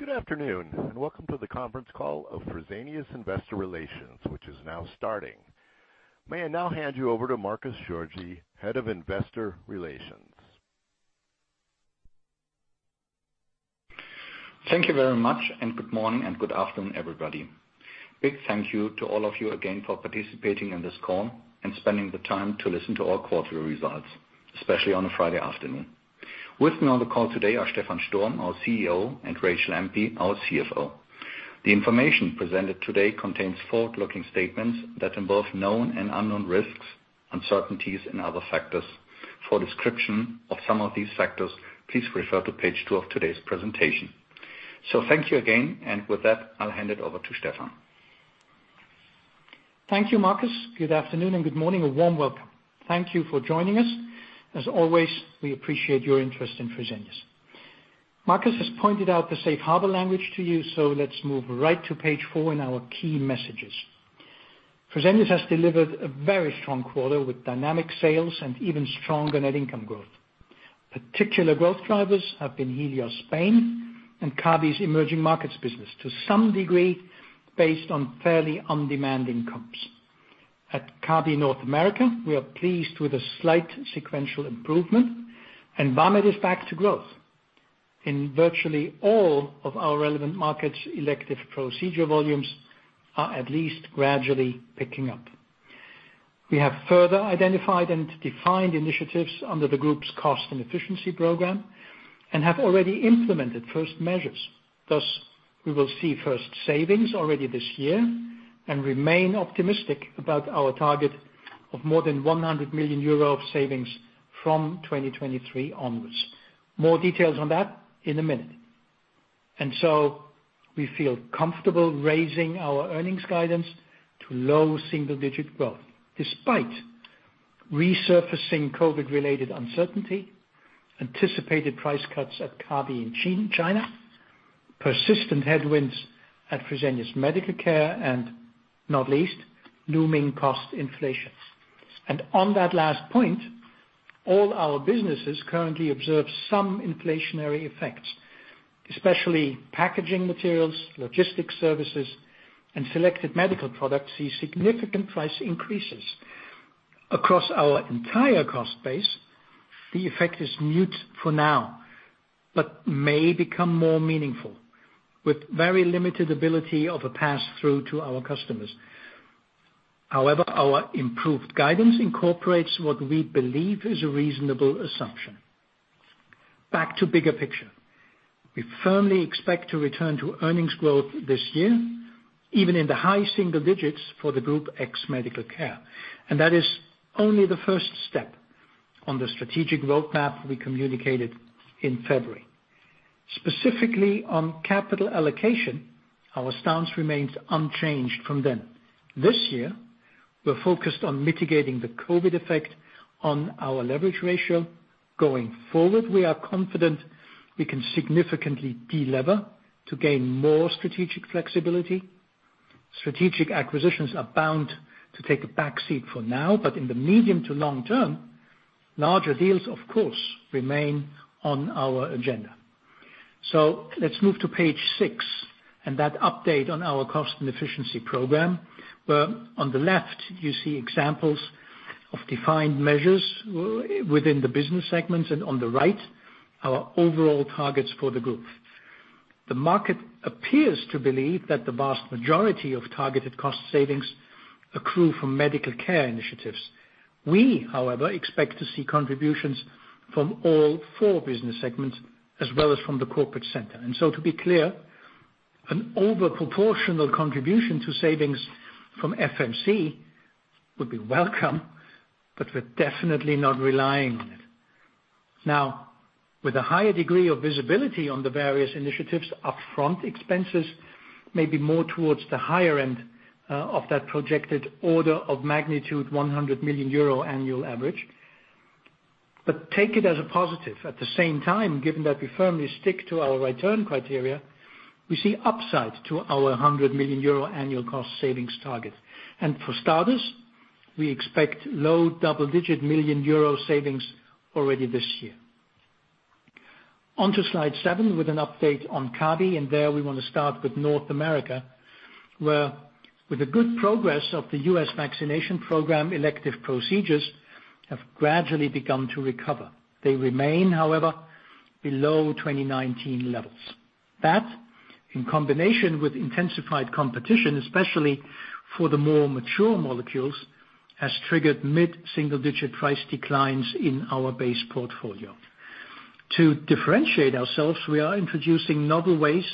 Good afternoon, and welcome to the conference call of Fresenius Investor Relations, which is now starting. May I now hand you over to Markus Georgi, Head of Investor Relations. Thank you very much. Good morning and good afternoon, everybody. Big thank you to all of you again for participating in this call and spending the time to listen to our quarterly results, especially on a Friday afternoon. With me on the call today are Stephan Sturm, our Chief Executive Officer, and Rachel Empey, our Chief Financial Officer. The information presented today contains forward-looking statements that involve known and unknown risks, uncertainties, and other factors. For description of some of these factors, please refer to page two of today's presentation. Thank you again. With that, I'll hand it over to Stephan. Thank you, Markus. Good afternoon and good morning? A warm welcome. Thank you for joining us. As always, we appreciate your interest in Fresenius. Markus has pointed out the safe harbor language to you, so let's move right to page four in our key messages. Fresenius has delivered a very strong quarter with dynamic sales and even stronger net income growth. Particular growth drivers have been Helios Spain and Kabi's emerging markets business, to some degree based on fairly undemanding comps. At Kabi North America, we are pleased with a slight sequential improvement, and Vamed is back to growth. In virtually all of our relevant markets, elective procedure volumes are at least gradually picking up. We have further identified and defined initiatives under the group's cost and efficiency program and have already implemented first measures. Thus, we will see first savings already this year and remain optimistic about our target of more than 100 million euro of savings from 2023 onwards. More details on that in a minute. So we feel comfortable raising our earnings guidance to low single-digit growth despite resurfacing COVID-related uncertainty, anticipated price cuts at Kabi in China, persistent headwinds at Fresenius Medical Care, and not least, looming cost inflations. On that last point, all our businesses currently observe some inflationary effects, especially packaging materials, logistics services, and selected medical products see significant price increases. Across our entire cost base, the effect is mute for now, but may become more meaningful with very limited ability of a pass-through to our customers. However, our improved guidance incorporates what we believe is a reasonable assumption. Back to bigger picture. We firmly expect to return to earnings growth this year, even in the high single digits for the Group ex Medical Care. That is only the first step on the strategic roadmap we communicated in February. Specifically on capital allocation, our stance remains unchanged from then. This year, we're focused on mitigating the COVID effect on our leverage ratio. Going forward, we are confident we can significantly delever to gain more strategic flexibility. Strategic acquisitions are bound to take a back seat for now, in the medium to long term, larger deals, of course, remain on our agenda. Let's move to page six and that update on our cost and efficiency program, where on the left, you see examples of defined measures within the business segments and on the right, our overall targets for the group. The market appears to believe that the vast majority of targeted cost savings accrue from Medical Care initiatives. We, however, expect to see contributions from all four business segments as well as from the corporate center. To be clear, an overproportional contribution to savings from FMC would be welcome, but we're definitely not relying on it. Now, with a higher degree of visibility on the various initiatives, upfront expenses may be more towards the higher end of that projected order of magnitude 100 million euro annual average. Take it as a positive. At the same time, given that we firmly stick to our return criteria, we see upside to our 100 million euro annual cost savings target. For starters, we expect low double-digit million euro savings already this year. On to slide seven with an update on Kabi. There we want to start with North America, where with the good progress of the U.S. vaccination program, elective procedures have gradually begun to recover. They remain, however, below 2019 levels. That, in combination with intensified competition, especially for the more mature molecules, has triggered mid-single-digit price declines in our base portfolio. To differentiate ourselves, we are introducing novel ways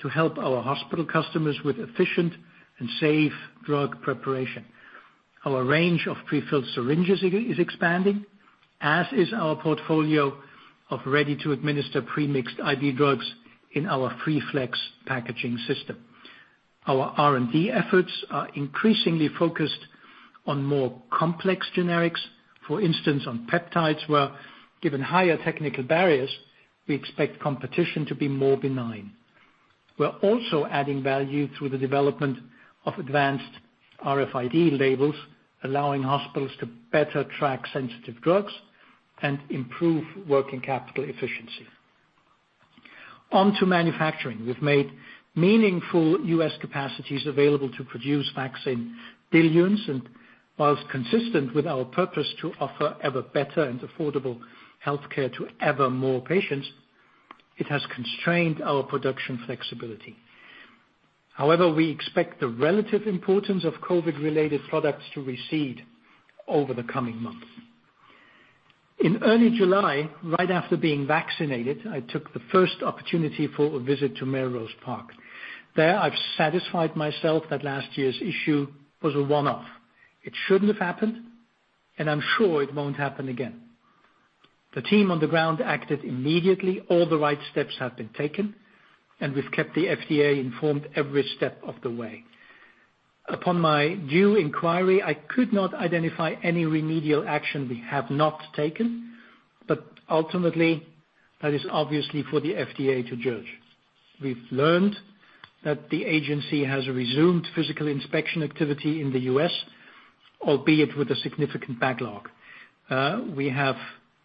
to help our hospital customers with efficient and safe drug preparation. Our range of prefilled syringes is expanding, as is our portfolio of ready-to-administer premixed IV drugs in our freeflex packaging system. Our R&D efforts are increasingly focused on more complex generics, for instance, on peptides, where given higher technical barriers, we expect competition to be more benign. We are also adding value through the development of advanced RFID labels, allowing hospitals to better track sensitive drugs and improve working capital efficiency. On to manufacturing. We've made meaningful U.S. capacities available to produce vaccine diluents and whilst consistent with our purpose to offer ever better and affordable healthcare to ever more patients, it has constrained our production flexibility. However, we expect the relative importance of COVID-related products to recede over the coming months. In early July, right after being vaccinated, I took the first opportunity for a visit to Melrose Park. There, I've satisfied myself that last year's issue was a one-off. It shouldn't have happened, and I'm sure it won't happen again. The team on the ground acted immediately. All the right steps have been taken, and we've kept the FDA informed every step of the way. Upon my due inquiry, I could not identify any remedial action we have not taken. Ultimately, that is obviously for the FDA to judge. We've learned that the agency has resumed physical inspection activity in the U.S., albeit with a significant backlog. We have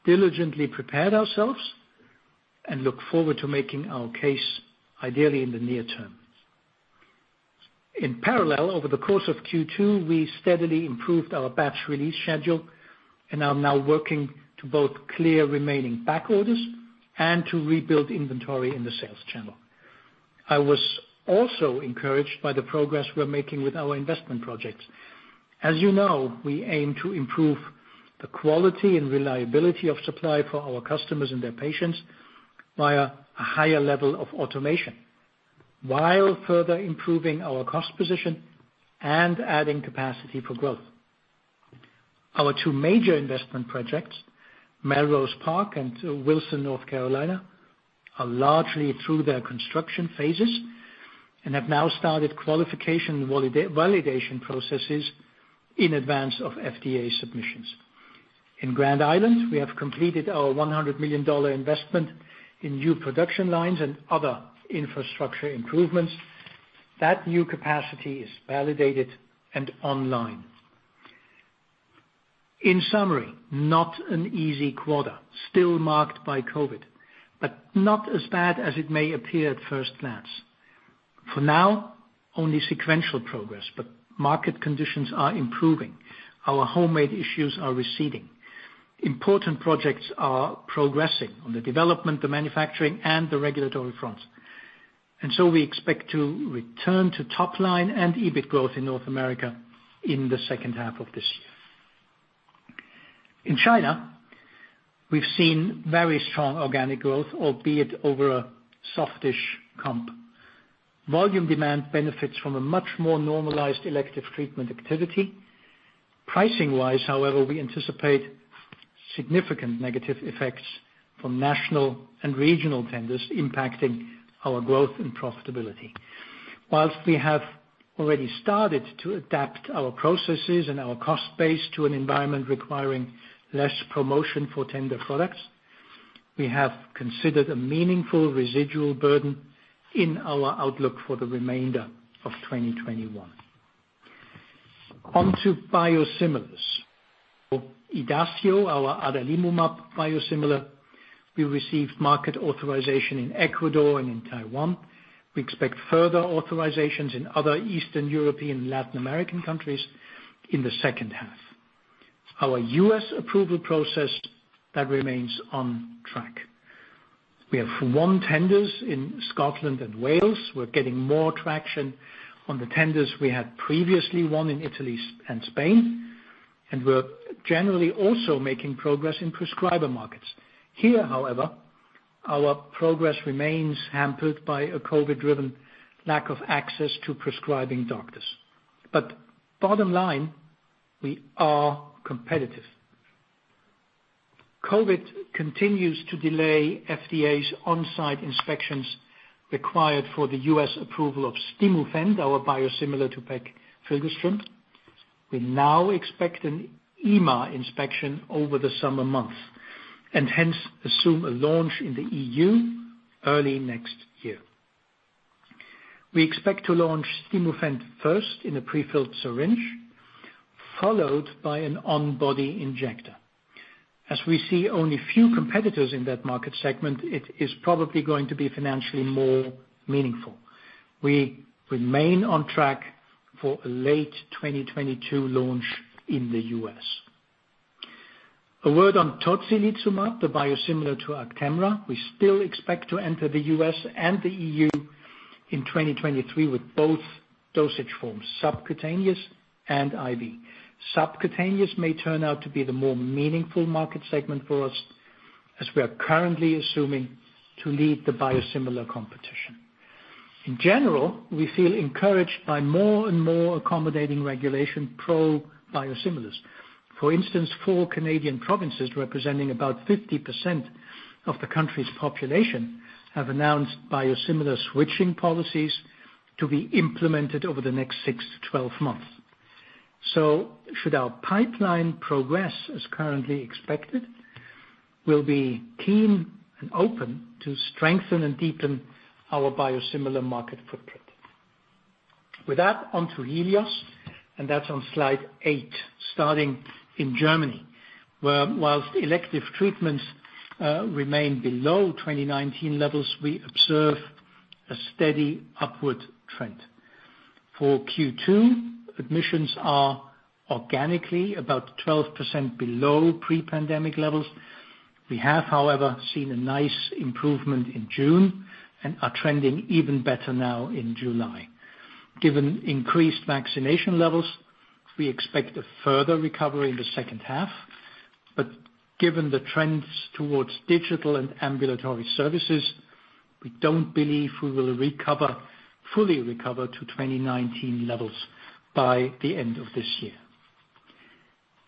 diligently prepared ourselves and look forward to making our case, ideally in the near term. In parallel, over the course of Q2, we steadily improved our batch release schedule and are now working to both clear remaining back orders and to rebuild inventory in the sales channel. I was also encouraged by the progress we're making with our investment projects. As you know, we aim to improve the quality and reliability of supply for our customers and their patients via a higher level of automation, while further improving our cost position and adding capacity for growth. Our two major investment projects, Melrose Park and Wilson, North Carolina, are largely through their construction phases and have now started qualification and validation processes in advance of FDA submissions. In Grand Island, we have completed our $100 million investment in new production lines and other infrastructure improvements. That new capacity is validated and online. In summary, not an easy quarter. Still marked by COVID, but not as bad as it may appear at first glance. For now, only sequential progress, but market conditions are improving. Our homemade issues are receding. Important projects are progressing on the development, the manufacturing, and the regulatory fronts. We expect to return to top line and EBIT growth in North America in the second half of this year. In China, we've seen very strong organic growth, albeit over a softish comp. Volume demand benefits from a much more normalized elective treatment activity. Pricing-wise, however, we anticipate significant negative effects from national and regional tenders impacting our growth and profitability. Whilst we have already started to adapt our processes and our cost base to an environment requiring less promotion for tender products, we have considered a meaningful residual burden in our outlook for the remainder of 2021. On to biosimilars. For Idacio, our adalimumab biosimilar, we received market authorization in Ecuador and in Taiwan. We expect further authorizations in other Eastern European, Latin American countries in the second half. Our U.S. approval process, that remains on track. We have won tenders in Scotland and Wales. We're getting more traction on the tenders we had previously won in Italy and Spain, and we're generally also making progress in prescriber markets. Here, however, our progress remains hampered by a COVID driven lack of access to prescribing doctors. Bottom line, we are competitive. COVID continues to delay FDA's on-site inspections required for the U.S. approval of Stimufend, our biosimilar to pegfilgrastim. We now expect an EMA inspection over the summer months, hence assume a launch in the EU early next year. We expect to launch Stimufend first in a prefilled syringe, followed by an on-body injector. As we see only few competitors in that market segment, it is probably going to be financially more meaningful. We remain on track for a late 2022 launch in the U.S. A word on tocilizumab, the biosimilar to Actemra. We still expect to enter the U.S. and the EU in 2023 with both dosage forms, subcutaneous and IV. Subcutaneous may turn out to be the more meaningful market segment for us, as we are currently assuming to lead the biosimilar competition. In general, we feel encouraged by more and more accommodating regulation pro biosimilars. For instance, four Canadian provinces representing about 50% of the country's population have announced biosimilar switching policies to be implemented over the next 6 to 12 months. Should our pipeline progress as currently expected, we'll be keen and open to strengthen and deepen our biosimilar market footprint. With that, onto Helios, and that's on slide eight, starting in Germany, where while elective treatments remain below 2019 levels, we observe a steady upward trend. For Q2, admissions are organically about 12% below pre-pandemic levels. We have, however, seen a nice improvement in June and are trending even better now in July. Given increased vaccination levels, we expect a further recovery in the second half. Given the trends towards digital and ambulatory services, we don't believe we will fully recover to 2019 levels by the end of this year.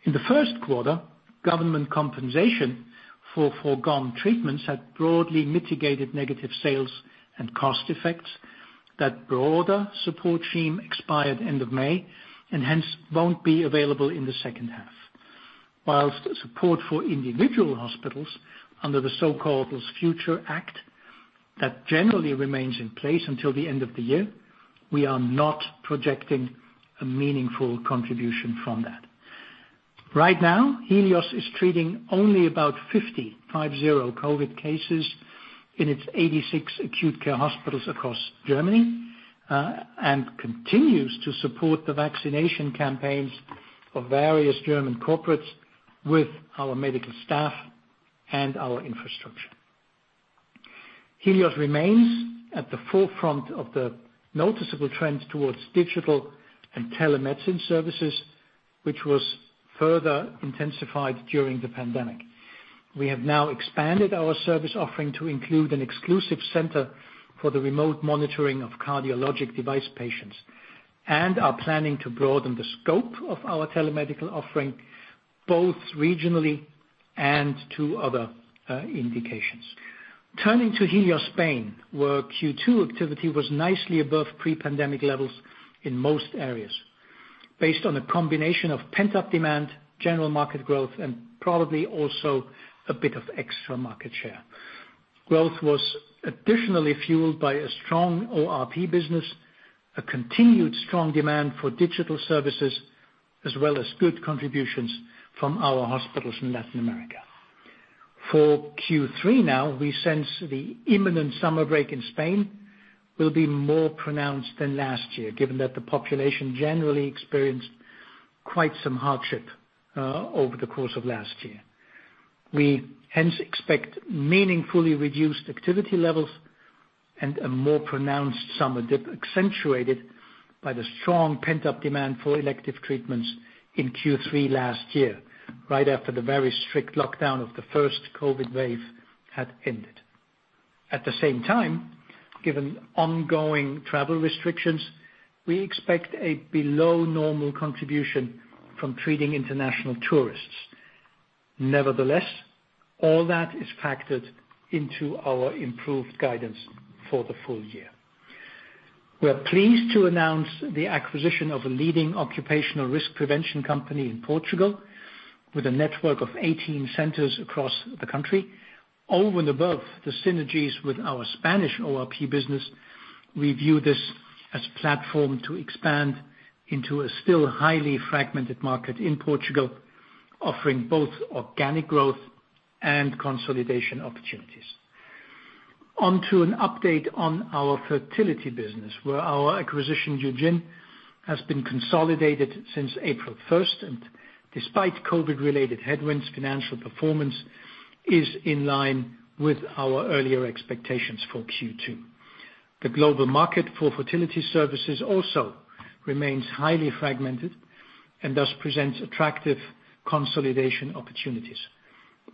In the first quarter, Government compensation for foregone treatments had broadly mitigated negative sales and cost effects. That broader support scheme expired end of May, and hence won't be available in the second half. Whilst support for individual hospitals under the so-called Future Act, that generally remains in place until the end of the year, we are not projecting a meaningful contribution from that. Right now, Helios is treating only about 50 COVID cases in its 86 acute care hospitals across Germany, and continues to support the vaccination campaigns of various German corporates with our medical staff and our infrastructure. Helios remains at the forefront of the noticeable trends towards digital and telemedicine services, which was further intensified during the pandemic. We have now expanded our service offering to include an exclusive center for the remote monitoring of cardiologic device patients, and are planning to broaden the scope of our telemedical offering, both regionally and to other indications. Turning to Helios Spain, where Q2 activity was nicely above pre-pandemic levels in most areas. Based on a combination of pent-up demand, general market growth, and probably also a bit of extra market share. Growth was additionally fueled by a strong ORP business, a continued strong demand for digital services, as well as good contributions from our hospitals in Latin America. For Q3 now, we sense the imminent summer break in Spain will be more pronounced than last year, given that the population generally experienced quite some hardship over the course of last year. We hence expect meaningfully reduced activity levels and a more pronounced summer dip, accentuated by the strong pent-up demand for elective treatments in Q3 last year, right after the very strict lockdown of the first COVID wave had ended. At the same time, given ongoing travel restrictions, we expect a below normal contribution from treating international tourists. Nevertheless, all that is factored into our improved guidance for the full year. We are pleased to announce the acquisition of a leading occupational risk prevention company in Portugal, with a network of 18 centers across the country. Over and above the synergies with our Spanish ORP business, we view this as a platform to expand into a still highly fragmented market in Portugal, offering both organic growth and consolidation opportunities. Onto an update on our fertility business, where our acquisition, Eugin, has been consolidated since April 1. Despite COVID-related headwinds, financial performance is in line with our earlier expectations for Q2. The global market for fertility services also remains highly fragmented and thus presents attractive consolidation opportunities.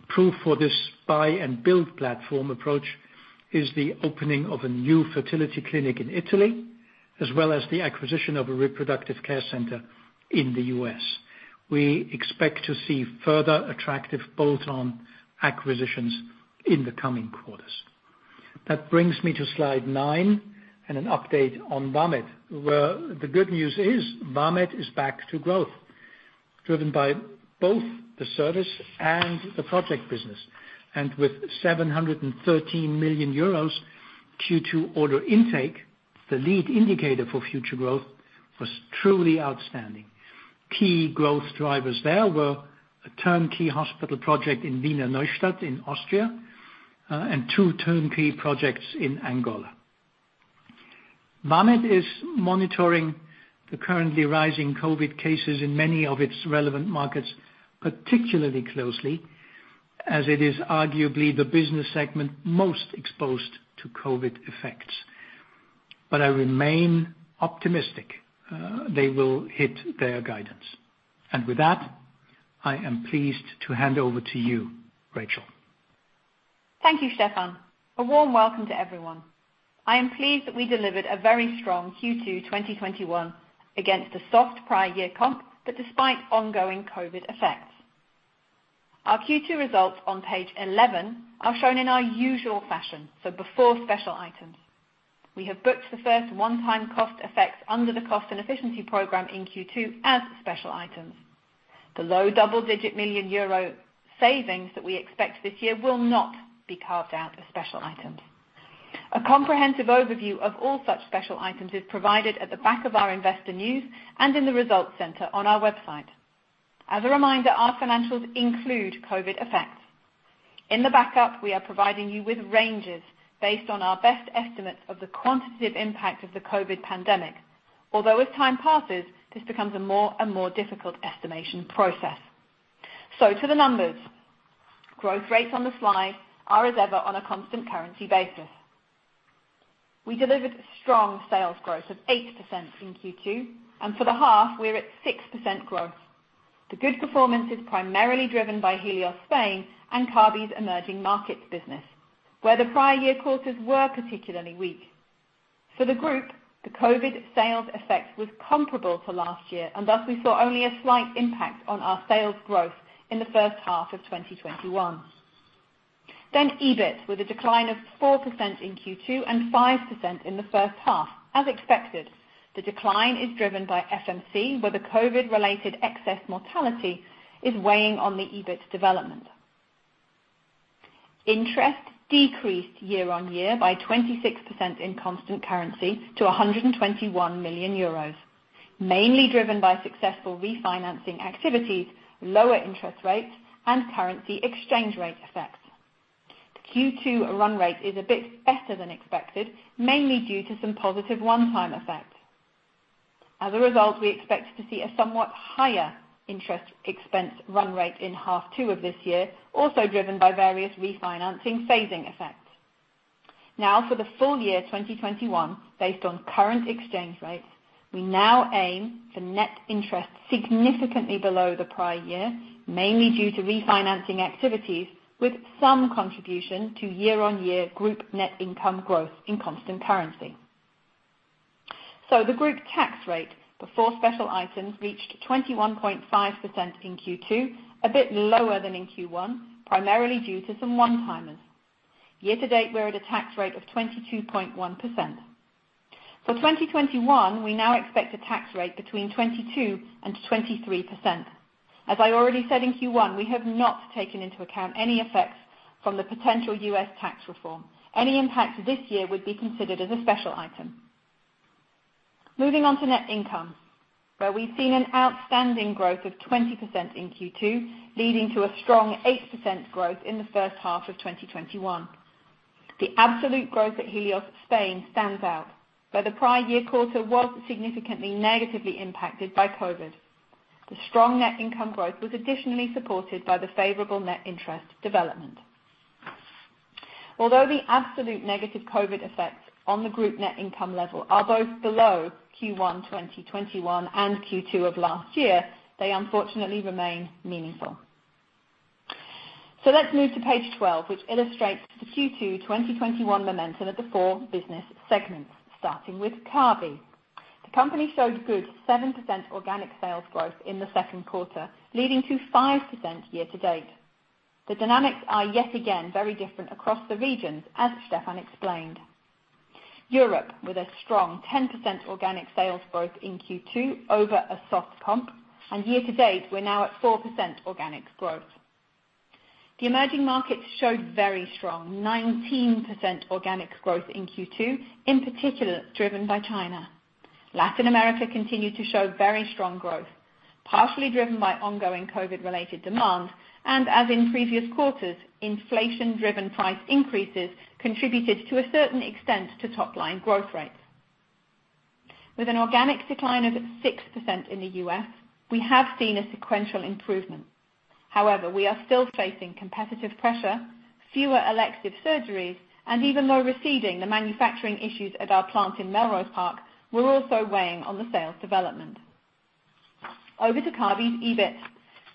Proof for this buy and build platform approach is the opening of a new fertility clinic in Italy, as well as the acquisition of a reproductive care center in the U.S. We expect to see further attractive bolt-on acquisitions in the coming quarters. That brings me to slide nine and an update on Vamed, where the good news is Vamed is back to growth, driven by both the service and the project business. With 713 million euros Q2 order intake, the lead indicator for future growth was truly outstanding. Key growth drivers there were a turnkey hospital project in Wiener Neustadt in Austria, and two Turnkey projects in Angola. Vamed is monitoring the currently rising COVID cases in many of its relevant markets, particularly closely, as it is arguably the business segment most exposed to COVID effects. I remain optimistic they will hit their guidance. With that, I am pleased to hand over to you, Rachel. Thank you, Stephan. A warm welcome to everyone. I am pleased that we delivered a very strong Q2 2021 against a soft prior year comp, but despite ongoing COVID effects. Our Q2 results on page 11 are shown in our usual fashion, so before special items. We have booked the first one-time cost effects under the cost and efficiency program in Q2 as special items. The low double-digit million euro savings that we expect this year will not be carved out as special items. A comprehensive overview of all such special items is provided at the back of our investor news and in the results center on our website. As a reminder, our financials include COVID effects. In the backup, we are providing you with ranges based on our best estimates of the quantitative impact of the COVID pandemic. Although as time passes, this becomes a more and more difficult estimation process. To the numbers. Growth rates on the slide are as ever on a constant currency basis. We delivered strong sales growth of 8% in Q2, and for the half, we're at 6% growth. The good performance is primarily driven by Helios Spain and Kabi's emerging markets business, where the prior year quarters were particularly weak. For the group, the COVID sales effect was comparable to last year, and thus we saw only a slight impact on our sales growth in the first half of 2021. EBIT, with a decline of 4% in Q2 and 5% in the first half. As expected, the decline is driven by FMC, where the COVID-related excess mortality is weighing on the EBIT development. Interest decreased year-on-year by 26% in constant currency to 121 million euros, mainly driven by successful refinancing activities, lower interest rates, and currency exchange rate effects. The Q2 run rate is a bit better than expected, mainly due to some positive one-time effects. As a result, we expect to see a somewhat higher interest expense run rate in half two of this year, also driven by various refinancing phasing effects. For the full year 2021, based on current exchange rates, we now aim for net interest significantly below the prior year, mainly due to refinancing activities with some contribution to year-on-year group net income growth in constant currency. The group tax rate before special items reached 21.5% in Q2, a bit lower than in Q1, primarily due to some one-timers. Year-to-date, we're at a tax rate of 22.1%. For 2021, we now expect a tax rate between 22% and 23%. As I already said in Q1, we have not taken into account any effects from the potential U.S. tax reform. Any impact this year would be considered as a special item. Moving on to net income, where we've seen an outstanding growth of 20% in Q2, leading to a strong 8% growth in the first half of 2021. The absolute growth at Helios Spain stands out, where the prior year quarter was significantly negatively impacted by COVID. The strong net income growth was additionally supported by the favorable net interest development. Although the absolute negative COVID effects on the group net income level are both below Q1 2021 and Q2 of last year, they unfortunately remain meaningful. Let's move to page 12, which illustrates the Q2 2021 momentum of the four business segments, starting with Kabi. The company showed good 7% organic sales growth in the second quarter, leading to 5% year to date. The dynamics are yet again very different across the regions, as Stephan explained. Europe, with a strong 10% organic sales growth in Q2 over a soft comp, and year to date, we're now at 4% organic growth. The emerging markets showed very strong 19% organic growth in Q2, in particular driven by China. Latin America continued to show very strong growth, partially driven by ongoing COVID-related demand, and as in previous quarters, inflation-driven price increases contributed to a certain extent to top-line growth rates. With an organic decline of 6% in the U.S., we have seen a sequential improvement. However, we are still facing competitive pressure, fewer elective surgeries, and even though receding, the manufacturing issues at our plant in Melrose Park were also weighing on the sales development. Over to Kabi's EBIT,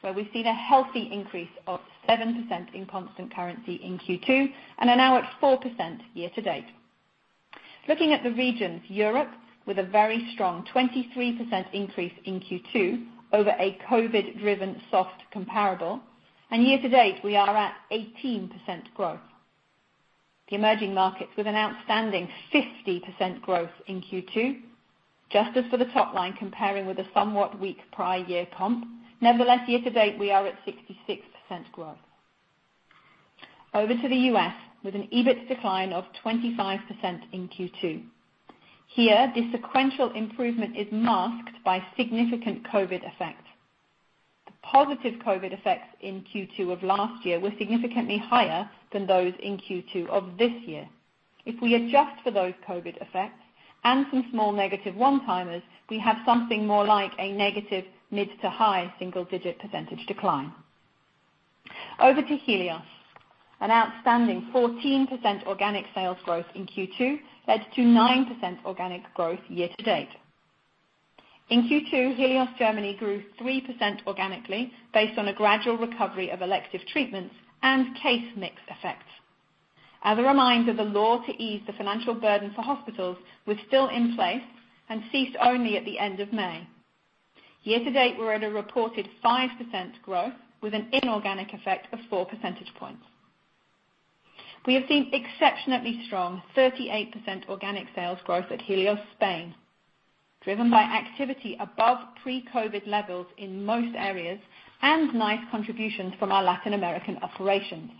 where we've seen a healthy increase of 7% in constant currency in Q2 and are now at 4% year to date. Looking at the regions, Europe, with a very strong 23% increase in Q2 over a COVID-driven soft comparable, and year-to-date, we are at 18% growth. The emerging markets with an outstanding 50% growth in Q2, just as for the top line, comparing with a somewhat weak prior year comp. Nevertheless, year to date, we are at 66% growth. Over to the U.S. with an EBIT decline of 25% in Q2. Here, the sequential improvement is masked by significant COVID effects. The positive COVID effects in Q2 of last year were significantly higher than those in Q2 of this year. If we adjust for those COVID effects and some small negative one-timers, we have something more like a negative mid to high single-digit percentage decline. Over to Helios, an outstanding 14% organic sales growth in Q2 led to 9% organic growth year-to-date. In Q2, Helios Germany grew 3% organically based on a gradual recovery of elective treatments and case mix effects. As a reminder, the law to ease the financial burden for hospitals was still in place and ceased only at the end of May. Year-to-date, we're at a reported 5% growth with an inorganic effect of four percentage points. We have seen exceptionally strong 38% organic sales growth at Helios Spain, driven by activity above pre-COVID levels in most areas and nice contributions from our Latin American operations.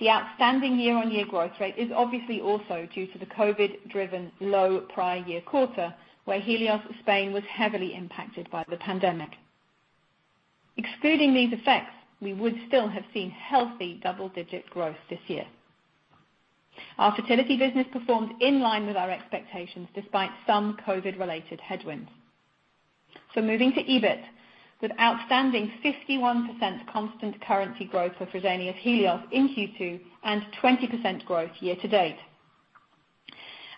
The outstanding year-over-year growth rate is obviously also due to the COVID driven low prior year quarter, where Helios Spain was heavily impacted by the pandemic. Excluding these effects, we would still have seen healthy double-digit growth this year. Our fertility business performed in line with our expectations, despite some COVID related headwinds. Moving to EBIT with outstanding 51% constant currency growth for Fresenius Helios in Q2 and 20% growth year-to-date.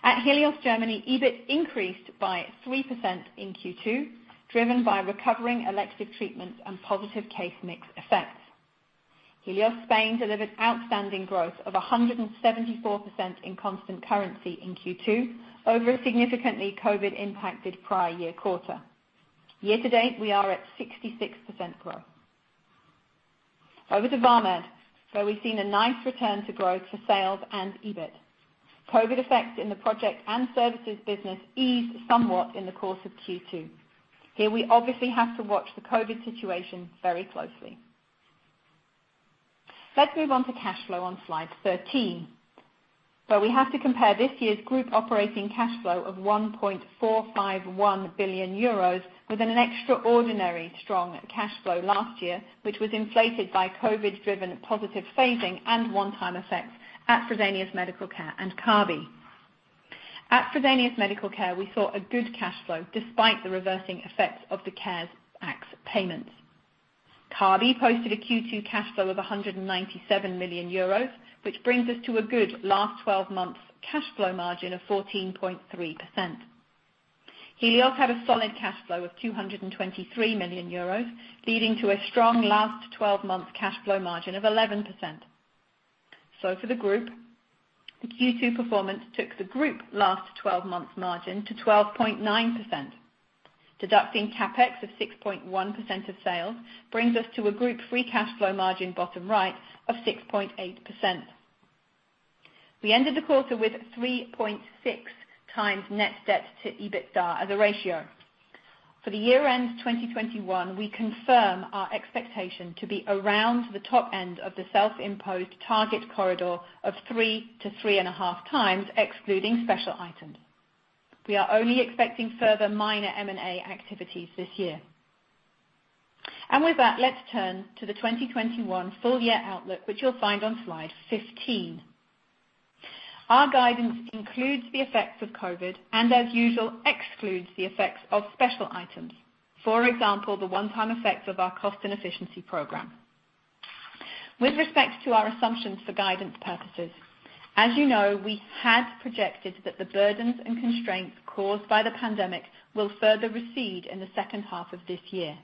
At Helios Germany, EBIT increased by 3% in Q2, driven by recovering elective treatments and positive case mix effects. Helios Spain delivered outstanding growth of 174% in constant currency in Q2 over a significantly COVID impacted prior year quarter. Year-to-date, we are at 66% growth. Over to Vamed, where we've seen a nice return to growth for sales and EBIT. COVID effects in the project and services business eased somewhat in the course of Q2. Here we obviously have to watch the COVID situation very closely. Let's move on to cash flow on slide 13, where we have to compare this year's group operating cash flow of 1.451 billion euros with an extraordinary strong cash flow last year, which was inflated by COVID driven positive phasing and one-time effects at Fresenius Medical Care and Kabi. At Fresenius Medical Care, we saw a good cash flow despite the reversing effects of the CARES Act payments. Kabi posted a Q2 cash flow of 197 million euros, which brings us to a good last 12 months cash flow margin of 14.3%. Helios had a solid cash flow of 223 million euros, leading to a strong last 12 months cash flow margin of 11%. For the group, the Q2 performance took the group last 12 months margin to 12.9%. Deducting CapEx of 6.1% of sales brings us to a group free cash flow margin bottom right of 6.8%. We ended the quarter with 3.6x net debt to EBITDA as a ratio. For the year-end 2021, we confirm our expectation to be around the top end of the self-imposed target corridor of 3x-3.5x excluding special items. We are only expecting further minor M&A activities this year. With that, let's turn to the 2021 full year outlook, which you'll find on slide 15. Our guidance includes the effects of COVID and as usual, excludes the effects of special items. For example, the one-time effects of our cost and efficiency program. With respect to our assumptions for guidance purposes, as you know, we had projected that the burdens and constraints caused by the pandemic will further recede in the second half of this year.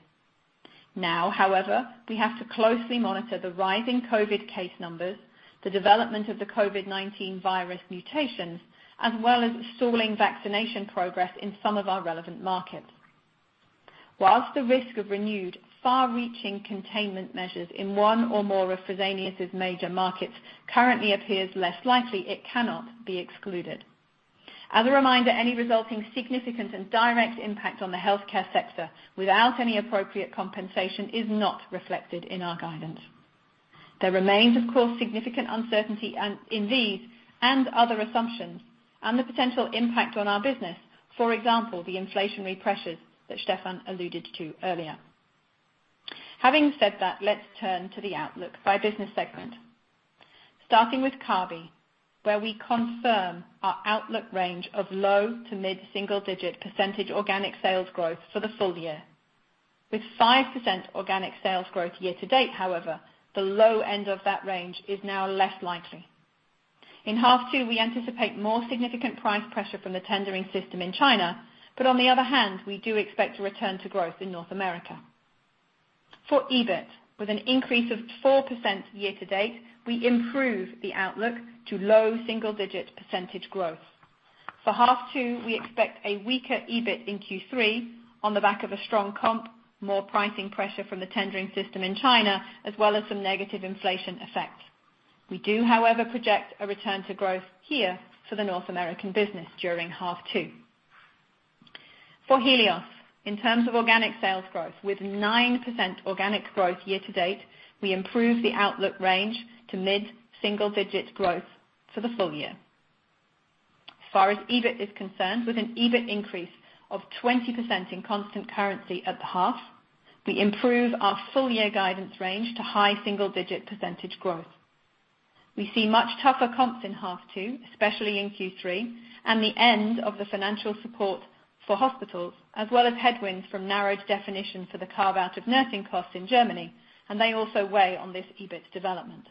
Now, however, we have to closely monitor the rising COVID case numbers, the development of the COVID-19 virus mutations, as well as stalling vaccination progress in some of our relevant markets. Whilst the risk of renewed far reaching containment measures in one or more of Fresenius' major markets currently appears less likely, it cannot be excluded. As a reminder, any resulting significant and direct impact on the healthcare sector without any appropriate compensation is not reflected in our guidance. There remains, of course, significant uncertainty in these and other assumptions and the potential impact on our business. For example, the inflationary pressures that Stephan alluded to earlier. Having said that, let's turn to the outlook by business segment. Starting with Kabi, where we confirm our outlook range of low to mid-single-digit percentage organic sales growth for the full year. With 5% organic sales growth year-to-date, however, the low end of that range is now less likely. In half two, we anticipate more significant price pressure from the tendering system in China. On the other hand, we do expect to return to growth in North America. For EBIT, with an increase of 4% year-to-date, we improve the outlook to low-single-digit percentage growth. For half two, we expect a weaker EBIT in Q3 on the back of a strong comp, more pricing pressure from the tendering system in China, as well as some negative inflation effects. We do, however, project a return to growth here for the North American business during half two. For Helios, in terms of organic sales growth with 9% organic growth year-to-date, we improve the outlook range to mid-single-digit growth for the full year. As far as EBIT is concerned, with an EBIT increase of 20% in constant currency at the half, we improve our full year guidance range to high-single-digit percentage growth. We see much tougher comps in half two, especially in Q3 and the end of the financial support for hospitals, as well as headwinds from narrowed definitions for the carve out of nursing costs in Germany, they also weigh on this EBIT development.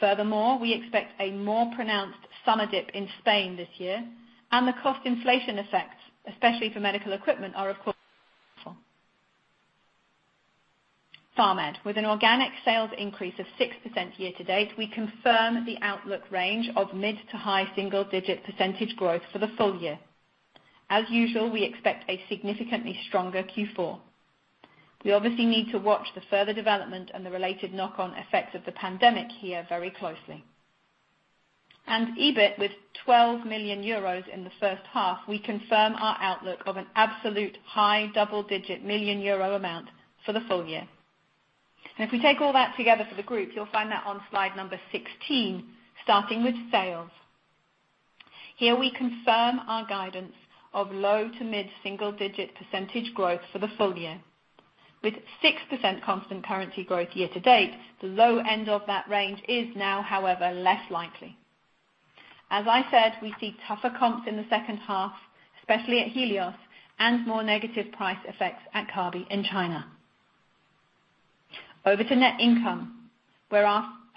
Furthermore, we expect a more pronounced summer dip in Spain this year and the cost inflation effects, especially for medical equipment, are of course felt. With an organic sales increase of 6% year to date, we confirm the outlook range of mid to high single-digit percentage growth for the full year. As usual, we expect a significantly stronger Q4. We obviously need to watch the further development and the related knock-on effects of the pandemic here very closely. EBIT, with 12 million euros in the first half, we confirm our outlook of an absolute high double-digit million EUR amount for the full year. If we take all that together for the group, you'll find that on slide number 16, starting with sales. Here we confirm our guidance of low to mid single-digit percentage growth for the full year. With 6% constant currency growth year-to-date, the low end of that range is now, however, less likely. As I said, we see tougher comps in the second half, especially at Helios, and more negative price effects at Kabi in China. Over to net income.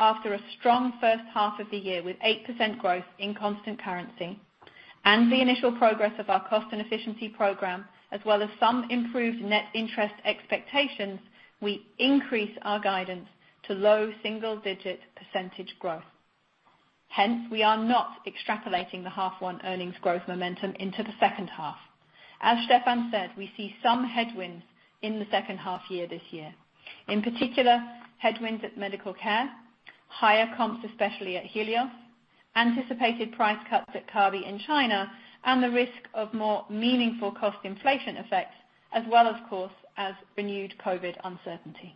After a strong first half of the year with 8% growth in constant currency and the initial progress of our cost and efficiency program, as well as some improved net interest expectations, we increase our guidance to low single-digit percentage growth. We are not extrapolating the half one earnings growth momentum into the second half. As Stephan said, we see some headwinds in the second half year this year. In particular, headwinds at Medical Care, higher comps, especially at Helios, anticipated price cuts at Kabi in China, and the risk of more meaningful cost inflation effects, as well, of course, as renewed COVID uncertainty.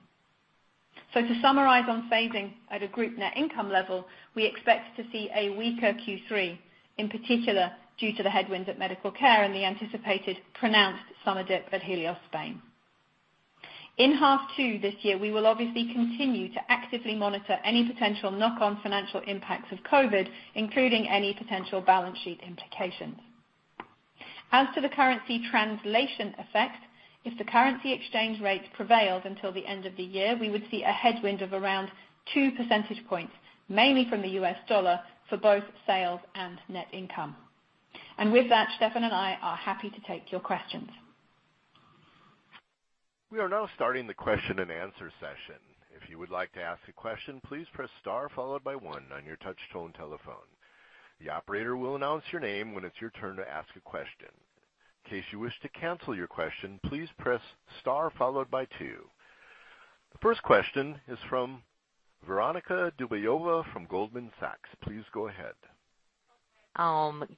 To summarize on phasing at a group net income level, we expect to see a weaker Q3, in particular, due to the headwinds at Medical Care and the anticipated pronounced summer dip at Helios Spain. In half two this year, we will obviously continue to actively monitor any potential knock-on financial impacts of COVID, including any potential balance sheet implications. As to the currency translation effect, if the currency exchange rate prevails until the end of the year, we would see a headwind of around two percentage points, mainly from the U.S. dollar, for both sales and net income. With that, Stephan and I are happy to take your questions. We are now starting the question and answer session. If you would like to ask a question, please press star followed by one on your touch tone telephone. The operator will announce your name when it's your turn to ask a question. In case you wish to cancel your question, please press star followed by two. The first question is from Veronika Dubajova from Goldman Sachs, please go ahead.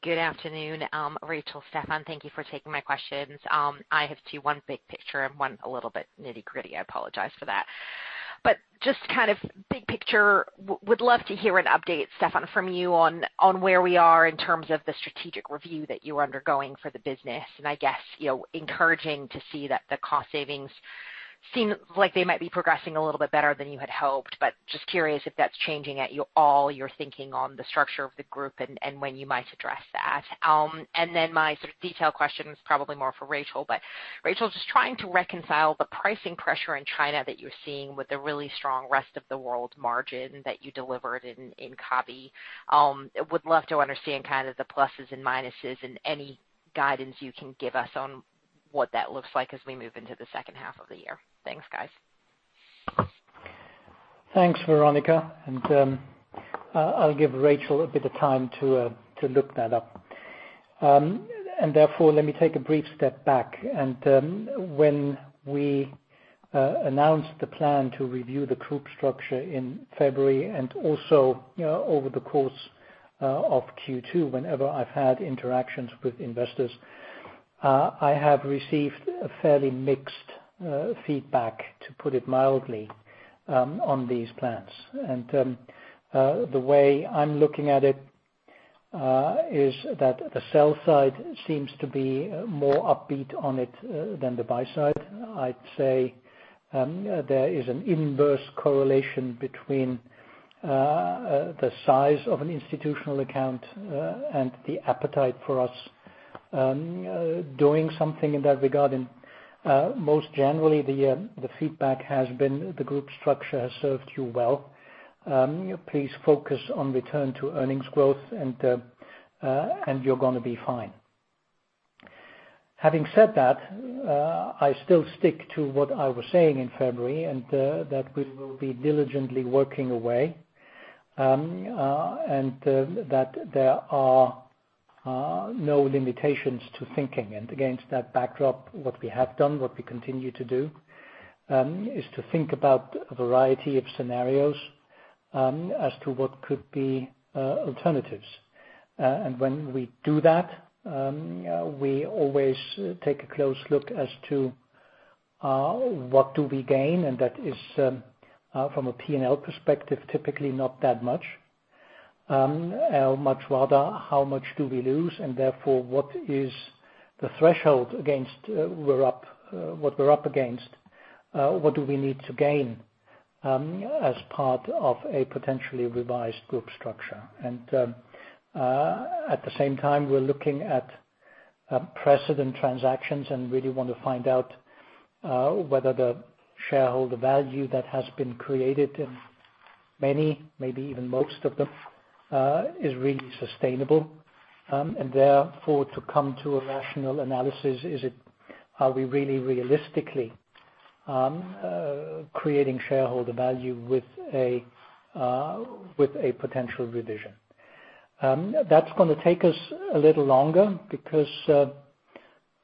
Good afternoon, Rachel, Stephan? Thank you for taking my questions. I have two, one big picture and one a little bit nitty-gritty. I apologize for that. Just kind of big picture, would love to hear an update, Stephan, from you on where we are in terms of the strategic review that you are undergoing for the business. I guess, encouraging to see that the cost savings seem like they might be progressing a little bit better than you had hoped, but just curious if that's changing at all your thinking on the structure of the group and when you might address that. My sort of detailed question is probably more for Rachel, but Rachel, just trying to reconcile the pricing pressure in China that you're seeing with the really strong rest of the world margin that you delivered in Kabi. Would love to understand kind of the pluses and minuses and any guidance you can give us on what that looks like as we move into the second half of the year. Thanks, guys. Thanks, Veronika. I'll give Rachel a bit of time to look that up. Therefore, let me take a brief step back. When we announced the plan to review the group structure in February and also over the course of Q2, whenever I've had interactions with Investors, I have received a fairly mixed feedback, to put it mildly, on these plans. The way I'm looking at it is that the sell side seems to be more upbeat on it than the buy side. I'd say there is an inverse correlation between the size of an institutional account and the appetite for us doing something in that regard. Most generally, the feedback has been the group structure has served you well. Please focus on return to earnings growth, and you're going to be fine. Having said that, I still stick to what I was saying in February, and that we will be diligently working away, and that there are no limitations to thinking. Against that backdrop, what we have done, what we continue to do, is to think about a variety of scenarios as to what could be alternatives. When we do that, we always take a close look as to what do we gain, and that is, from a P&L perspective, typically not that much. Much rather, how much do we lose, and therefore, what is the threshold against what we're up against? What do we need to gain as part of a potentially revised group structure? At the same time, we're looking at precedent transactions and really want to find out whether the shareholder value that has been created in many, maybe even most of them, is really sustainable. Therefore, to come to a rational analysis is, are we really realistically creating shareholder value with a potential revision? That's going to take us a little longer because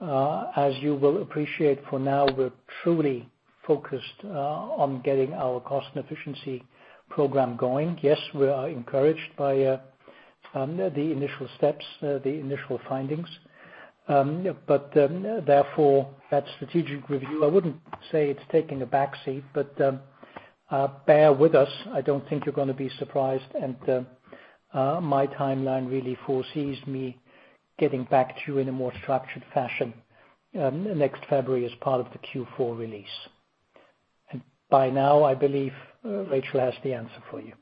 as you will appreciate, for now, we're truly focused on getting our cost and efficiency program going. Yes, we are encouraged by the initial steps, the initial findings. Therefore, that strategic review, I wouldn't say it's taking a back seat, but bear with us. I don't think you're going to be surprised. My timeline really foresees me getting back to you in a more structured fashion next February as part of the Q4 release. By now, I believe Rachel has the answer for you.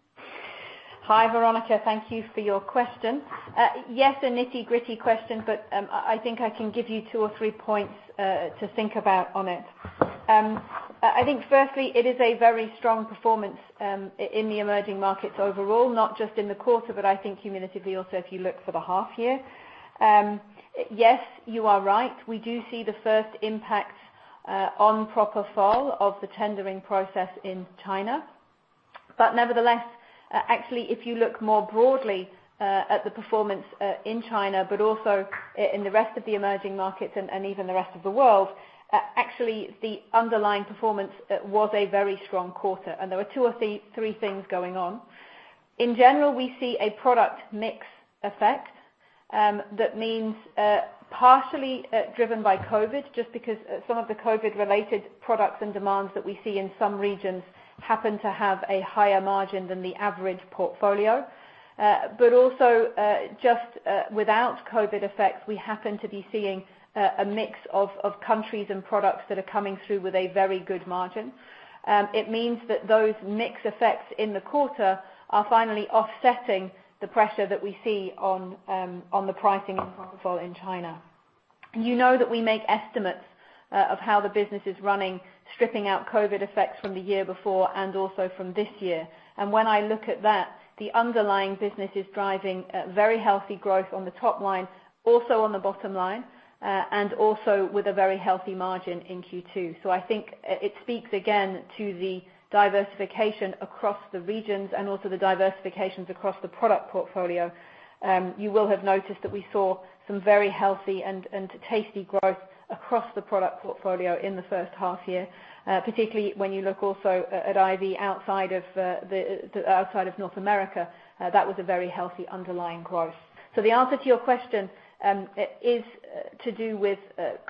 Hi, Veronika. Thank you for your question. Yes, a nitty-gritty question, but I think I can give you two or three points to think about on it. I think firstly, it is a very strong performance in the emerging markets overall, not just in the quarter, but I think cumulatively also if you look for the half year. Yes, you are right. We do see the first impact on propofol of the tendering process in China. Nevertheless, actually, if you look more broadly at the performance in China, but also in the rest of the emerging markets and even the rest of the world, actually, the underlying performance was a very strong quarter. There were two or three things going on. In general, we see a product mix effect that means partially driven by COVID, just because some of the COVID related products and demands that we see in some regions happen to have a higher margin than the average portfolio. But also just without COVID effects, we happen to be seeing a mix of countries and products that are coming through with a very good margin. It means that those mix effects in the quarter are finally offsetting the pressure that we see on the pricing profile in China. You know that we make estimates of how the business is running, stripping out COVID effects from the year before and also from this year. And when I look at that, the underlying business is driving very healthy growth on the top line, also on the bottom line, and also with a very healthy margin in Q2. I think it speaks again to the diversification across the regions and also the diversifications across the product portfolio. You will have noticed that we saw some very healthy and tasty growth across the product portfolio in the first half year. Particularly when you look also at IV outside of North America. That was a very healthy underlying growth. The answer to your question is to do with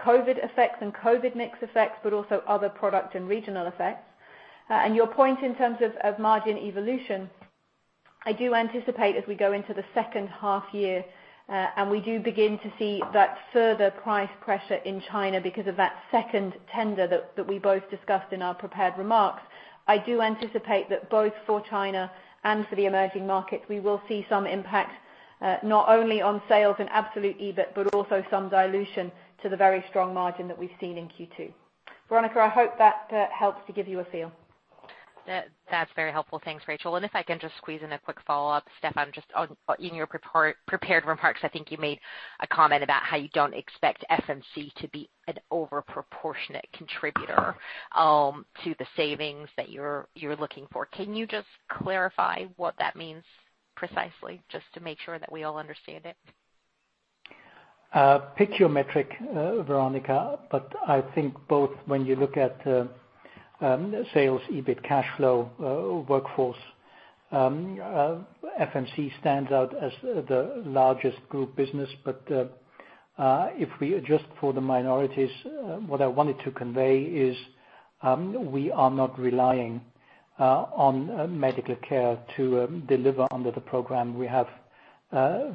COVID effects and COVID mix effects, but also other product and regional effects. Your point in terms of margin evolution, I do anticipate as we go into the second half year, and we do begin to see that further price pressure in China because of that second tender that we both discussed in our prepared remarks. I do anticipate that both for China and for the emerging market, we will see some impact, not only on sales and absolute EBIT, but also some dilution to the very strong margin that we have seen in Q2. Veronika Dubajova, I hope that helps to give you a feel. That's very helpful. Thanks, Rachel. If I can just squeeze in a quick follow-up. Stephan, just in your prepared remarks, I think you made a comment about how you don't expect FMC to be an overproportionate contributor to the savings that you're looking for. Can you just clarify what that means precisely, just to make sure that we all understand it? Pick your metric, Veronika. I think both when you look at sales, EBIT, cash flow, workforce, FMC stands out as the largest group business. If we adjust for the minorities, what I wanted to convey is we are not relying on medical care to deliver under the program. We have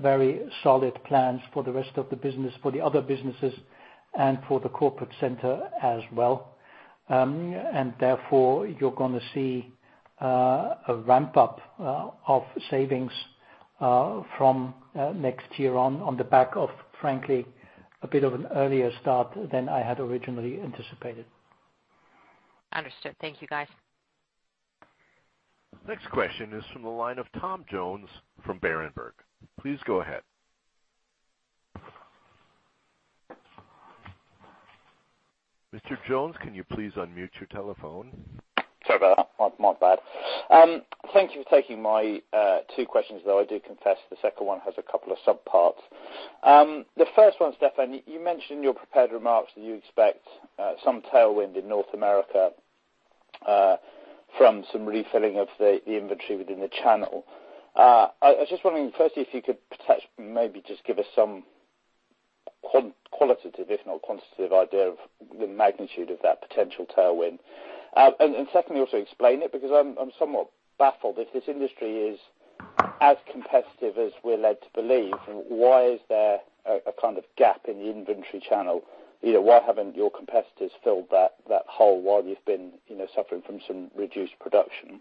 very solid plans for the rest of the business, for the other businesses and for the corporate center as well. Therefore, you're going to see a ramp-up of savings from next year on the back of, frankly, a bit of an earlier start than I had originally anticipated. Understood. Thank you, guys. Next question is from the line of Tom Jones from Berenberg, please go ahead. Mr. Jones, can you please unmute your telephone? Sorry about that. My bad. Thank you for taking my two questions, though I do confess the second one has a couple of subparts. The first one, Stephan, you mentioned in your prepared remarks that you expect some tailwind in North America from some refilling of the inventory within the channel. I was just wondering, firstly, if you could maybe just give us some qualitative, if not quantitative idea of the magnitude of that potential tailwind. Secondly, also explain it because I'm somewhat baffled. If this industry is as competitive as we're led to believe, why is there a kind of gap in the inventory channel? Why haven't your competitors filled that hole while you've been suffering from some reduced production?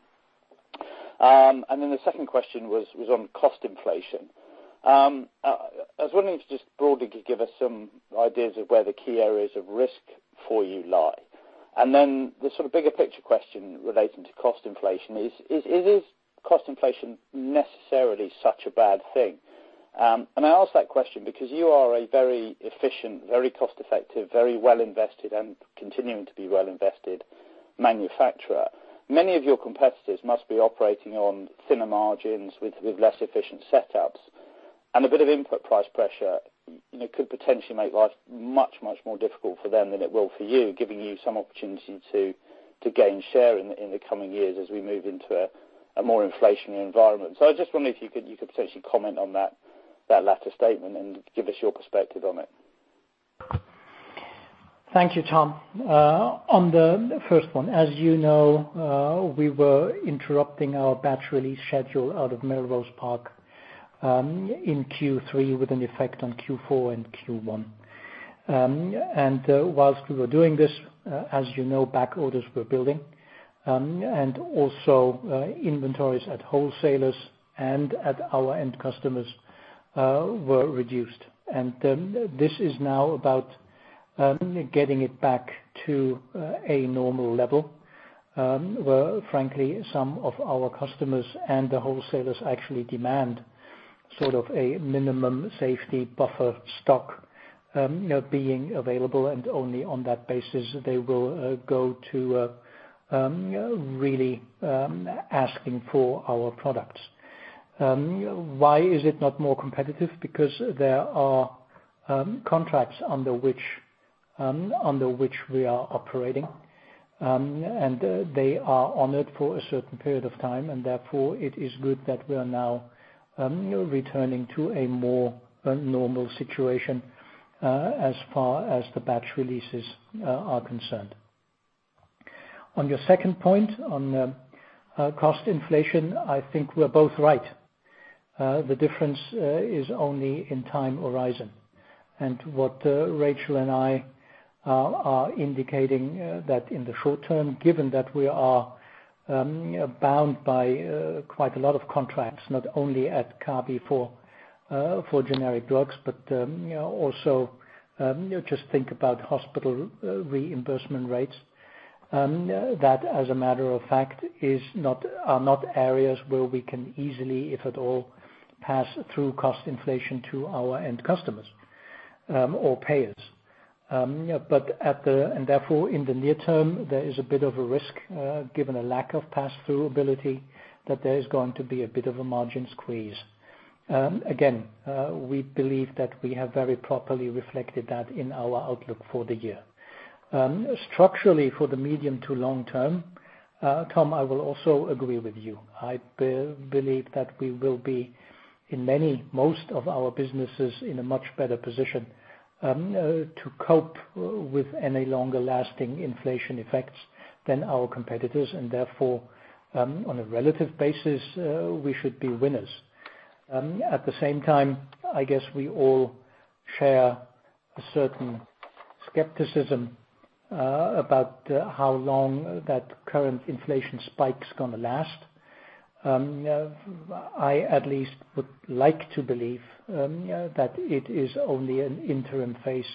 The second question was on cost inflation. I was wondering if you could just broadly give us some ideas of where the key areas of risk for you lie. The sort of bigger picture question relating to cost inflation is cost inflation necessarily such a bad thing? I ask that question because you are a very efficient, very cost-effective, very well-invested and continuing to be well invested manufacturer. Many of your competitors must be operating on thinner margins with less efficient setups and a bit of input price pressure could potentially make life much, much more difficult for them than it will for you, giving you some opportunity to gain share in the coming years as we move into a more inflationary environment. I just wondered if you could potentially comment on that latter statement and give us your perspective on it. Thank you, Tom. On the first one, as you know, we were interrupting our batch release schedule out of Melrose Park in Q3 with an effect on Q4 and Q1. While we were doing this, as you know, back orders were building and also inventories at wholesalers and at our end customers were reduced. This is now about getting it back to a normal level where frankly, some of our customers and the wholesalers actually demand sort of a minimum safety buffer stock being available and only on that basis they will go to really asking for our products. Why is it not more competitive? There are contracts under which we are operating, and they are honored for a certain period of time and therefore it is good that we are now returning to a more normal situation as far as the batch releases are concerned. On your second point on cost inflation, I think we're both right. The difference is only in time horizon. What Rachel and I are indicating that in the short term, given that we are bound by quite a lot of contracts, not only at Kabi for generic drugs, but also just think about hospital reimbursement rates. That as a matter of fact, are not areas where we can easily, if at all, pass through cost inflation to our end customers or payers. Therefore, in the near term, there is a bit of a risk, given a lack of pass-through ability, that there is going to be a bit of a margin squeeze. Again, we believe that we have very properly reflected that in our outlook for the year. Structurally, for the medium to long term, Tom, I will also agree with you. I believe that we will be in most of our businesses in a much better position to cope with any longer-lasting inflation effects than our competitors and therefore on a relative basis, we should be winners. At the same time, I guess we all share a certain skepticism about how long that current inflation spike is going to last. I at least would like to believe that it is only an interim phase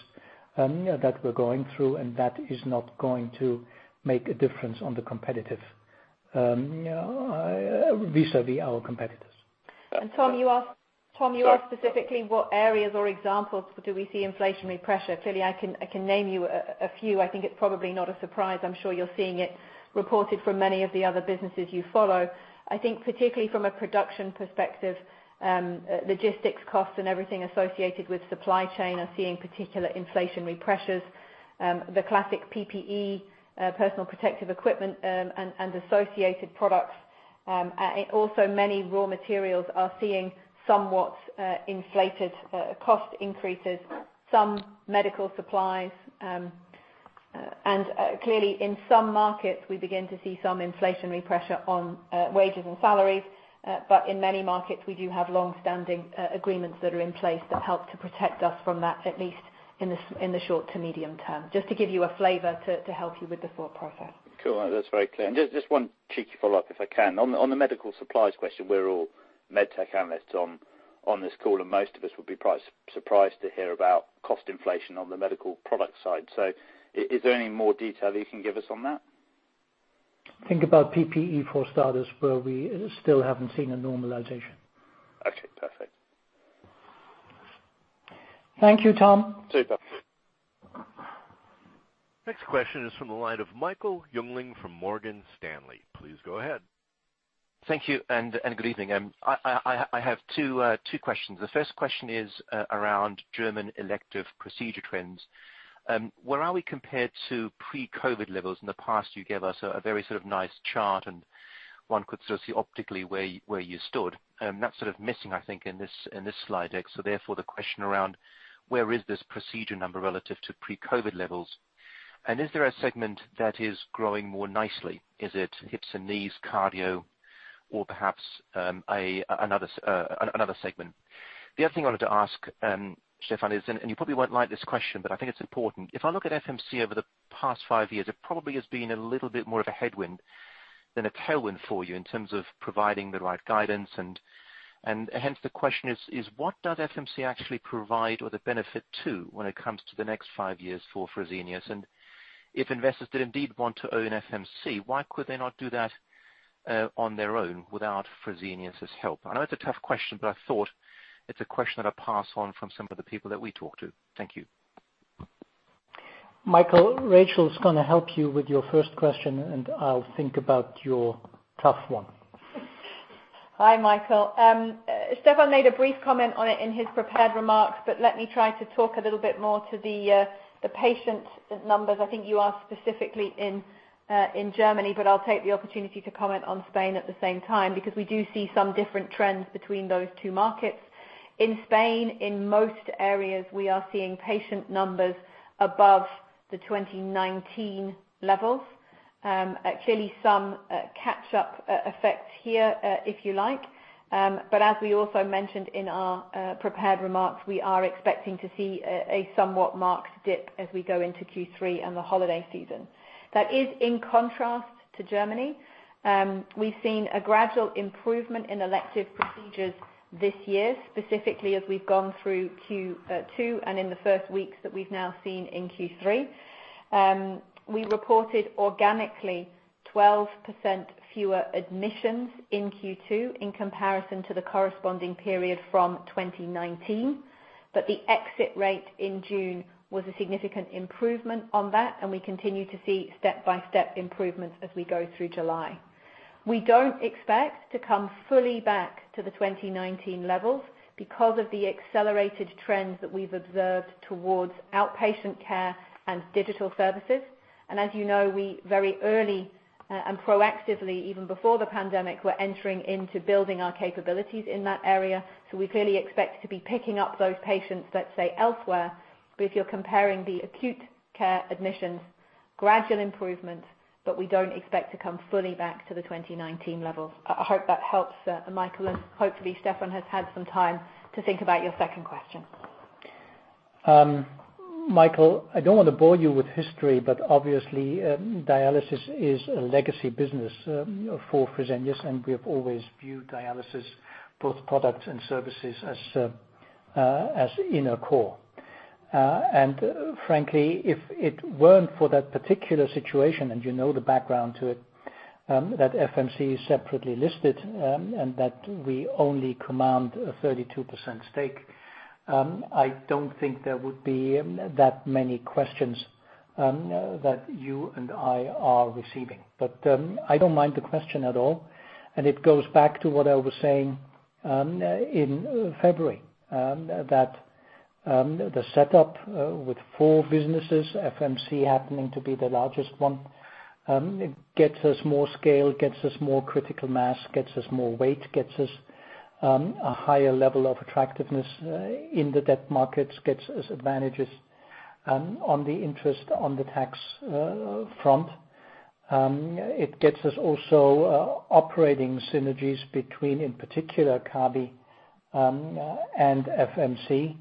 that we're going through and that is not going to make a difference or competitive vis-a-vis our competitors. Tom, you asked specifically what areas or examples do we see inflationary pressure. Clearly, I can name you a few. I think it's probably not a surprise. I'm sure you're seeing it reported from many of the other businesses you follow. I think particularly from a production perspective, logistics costs and everything associated with supply chain are seeing particular inflationary pressures. The classic PPE, personal protective equipment, and associated products. Also many raw materials are seeing somewhat inflated cost increases, some medical supplies. Clearly in some markets, we begin to see some inflationary pressure on wages and salaries. In many markets, we do have longstanding agreements that are in place that help to protect us from that, at least in the short to medium term. Just to give you a flavor to help you with the thought process. Cool. That's very clear. Just one cheeky follow-up, if I can. On the medical supplies question, we're all med tech analysts on this call, and most of us would be surprised to hear about cost inflation on the medical product side. Is there any more detail that you can give us on that? Think about PPE for starters, where we still haven't seen a normalization. Okay, perfect. Thank you, Tom. See you, Tom. Next question is from the line of Michael Jüngling from Morgan Stanley, please go ahead. Thank you, good evening? I have two questions. The first question is around German elective procedure trends. Where are we compared to pre-COVID levels? In the past, you gave us a very sort of nice chart, and one could sort of see optically where you stood. That's sort of missing, I think, in this slide deck. Therefore the question around where is this procedure number relative to pre-COVID levels? Is there a segment that is growing more nicely? Is it hips and knees, cardio, or perhaps another segment? The other thing I wanted to ask Stephan is, and you probably won't like this question, but I think it's important. If I look at FMC over the past five years, it probably has been a little bit more of a headwind than a tailwind for you in terms of providing the right guidance. Hence the question is what does FMC actually provide or the benefit to when it comes to the next five years for Fresenius? If investors did indeed want to own FMC, why could they not do that on their own without Fresenius' help? I know it's a tough question, but I thought it's a question that I pass on from some of the people that we talk to. Thank you. Michael, Rachel's going to help you with your first question, and I'll think about your tough one. Hi, Michael. Stephan made a brief comment on it in his prepared remarks, but let me try to talk a little bit more to the patient numbers. I think you asked specifically in Germany, but I'll take the opportunity to comment on Spain at the same time, because we do see some different trends between those two markets. In Spain, in most areas, we are seeing patient numbers above the 2019 levels. Clearly some catch-up effects here, if you like. But as we also mentioned in our prepared remarks, we are expecting to see a somewhat marked dip as we go into Q3 and the holiday season. That is in contrast to Germany. We've seen a gradual improvement in elective procedures this year, specifically as we've gone through Q2 and in the first weeks that we've now seen in Q3. We reported organically 12% fewer admissions in Q2 in comparison to the corresponding period from 2019. The exit rate in June was a significant improvement on that, and we continue to see step-by-step improvements as we go through July. We don't expect to come fully back to the 2019 levels because of the accelerated trends that we've observed towards outpatient care and digital services. As you know, we very early and proactively, even before the pandemic, were entering into building our capabilities in that area. We clearly expect to be picking up those patients, let's say, elsewhere. If you're comparing the acute care admissions, gradual improvements, but we don't expect to come fully back to the 2019 level. I hope that helps, Michael, and hopefully Stephan has had some time to think about your second question. Michael, I don't want to bore you with history, but obviously dialysis is a legacy business for Fresenius, and we have always viewed dialysis, both products and services, as inner core. Frankly, if it weren't for that particular situation, and you know the background to it, that FMC is separately listed, and that we only command a 32% stake, I don't think there would be that many questions that you and I are receiving. I don't mind the question at all. It goes back to what I was saying in February, that the setup with four businesses, FMC happening to be the largest one, gets us more scale, gets us more critical mass, gets us more weight, gets us a higher level of attractiveness in the debt markets, gets us advantages on the interest on the tax front. It gets us also operating synergies between, in particular, Kabi and FMC.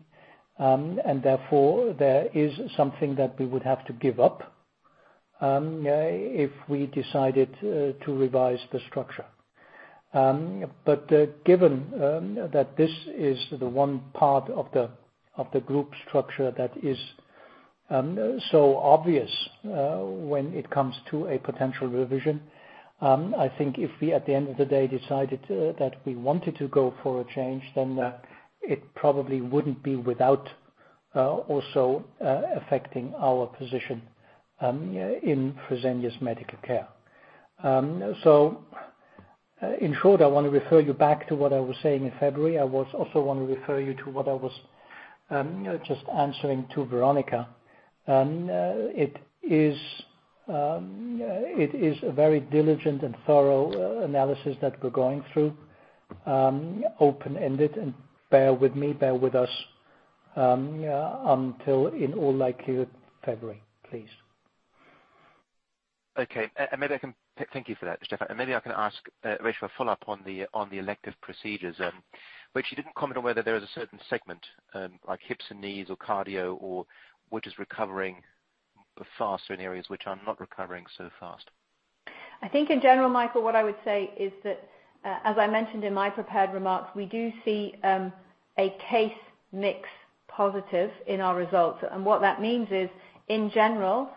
Therefore, there is something that we would have to give up if we decided to revise the structure. Given that this is the one part of the group structure that is so obvious when it comes to a potential revision, I think if we, at the end of the day, decided that we wanted to go for a change, then it probably wouldn't be without also affecting our position in Fresenius Medical Care. In short, I want to refer you back to what I was saying in February. I also want to refer you to what I was just answering to Veronika. It is a very diligent and thorough analysis that we're going through, open-ended. Bear with me, bear with us until, in all likelihood, February, please. Okay. Thank you for that, Stephan. Maybe I can ask Rachel a follow-up on the elective procedures. You didn't comment on whether there is a certain segment, like hips and knees or cardio, which is recovering faster in areas which are not recovering so fast. I think in general, Michael, what I would say is that, as I mentioned in my prepared remarks, we do see a case mix positive in our results. What that means is, in general,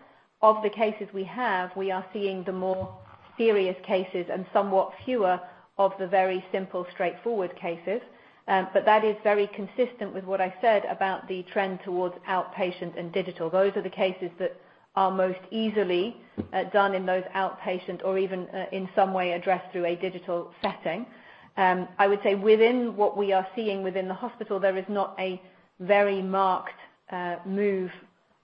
of the cases we have, we are seeing the more serious cases and somewhat fewer of the very simple, straightforward cases. That is very consistent with what I said about the trend towards outpatient and digital. Those are the cases that are most easily done in those outpatient or even in some way addressed through a digital setting. I would say within what we are seeing within the hospital, there is not a very marked move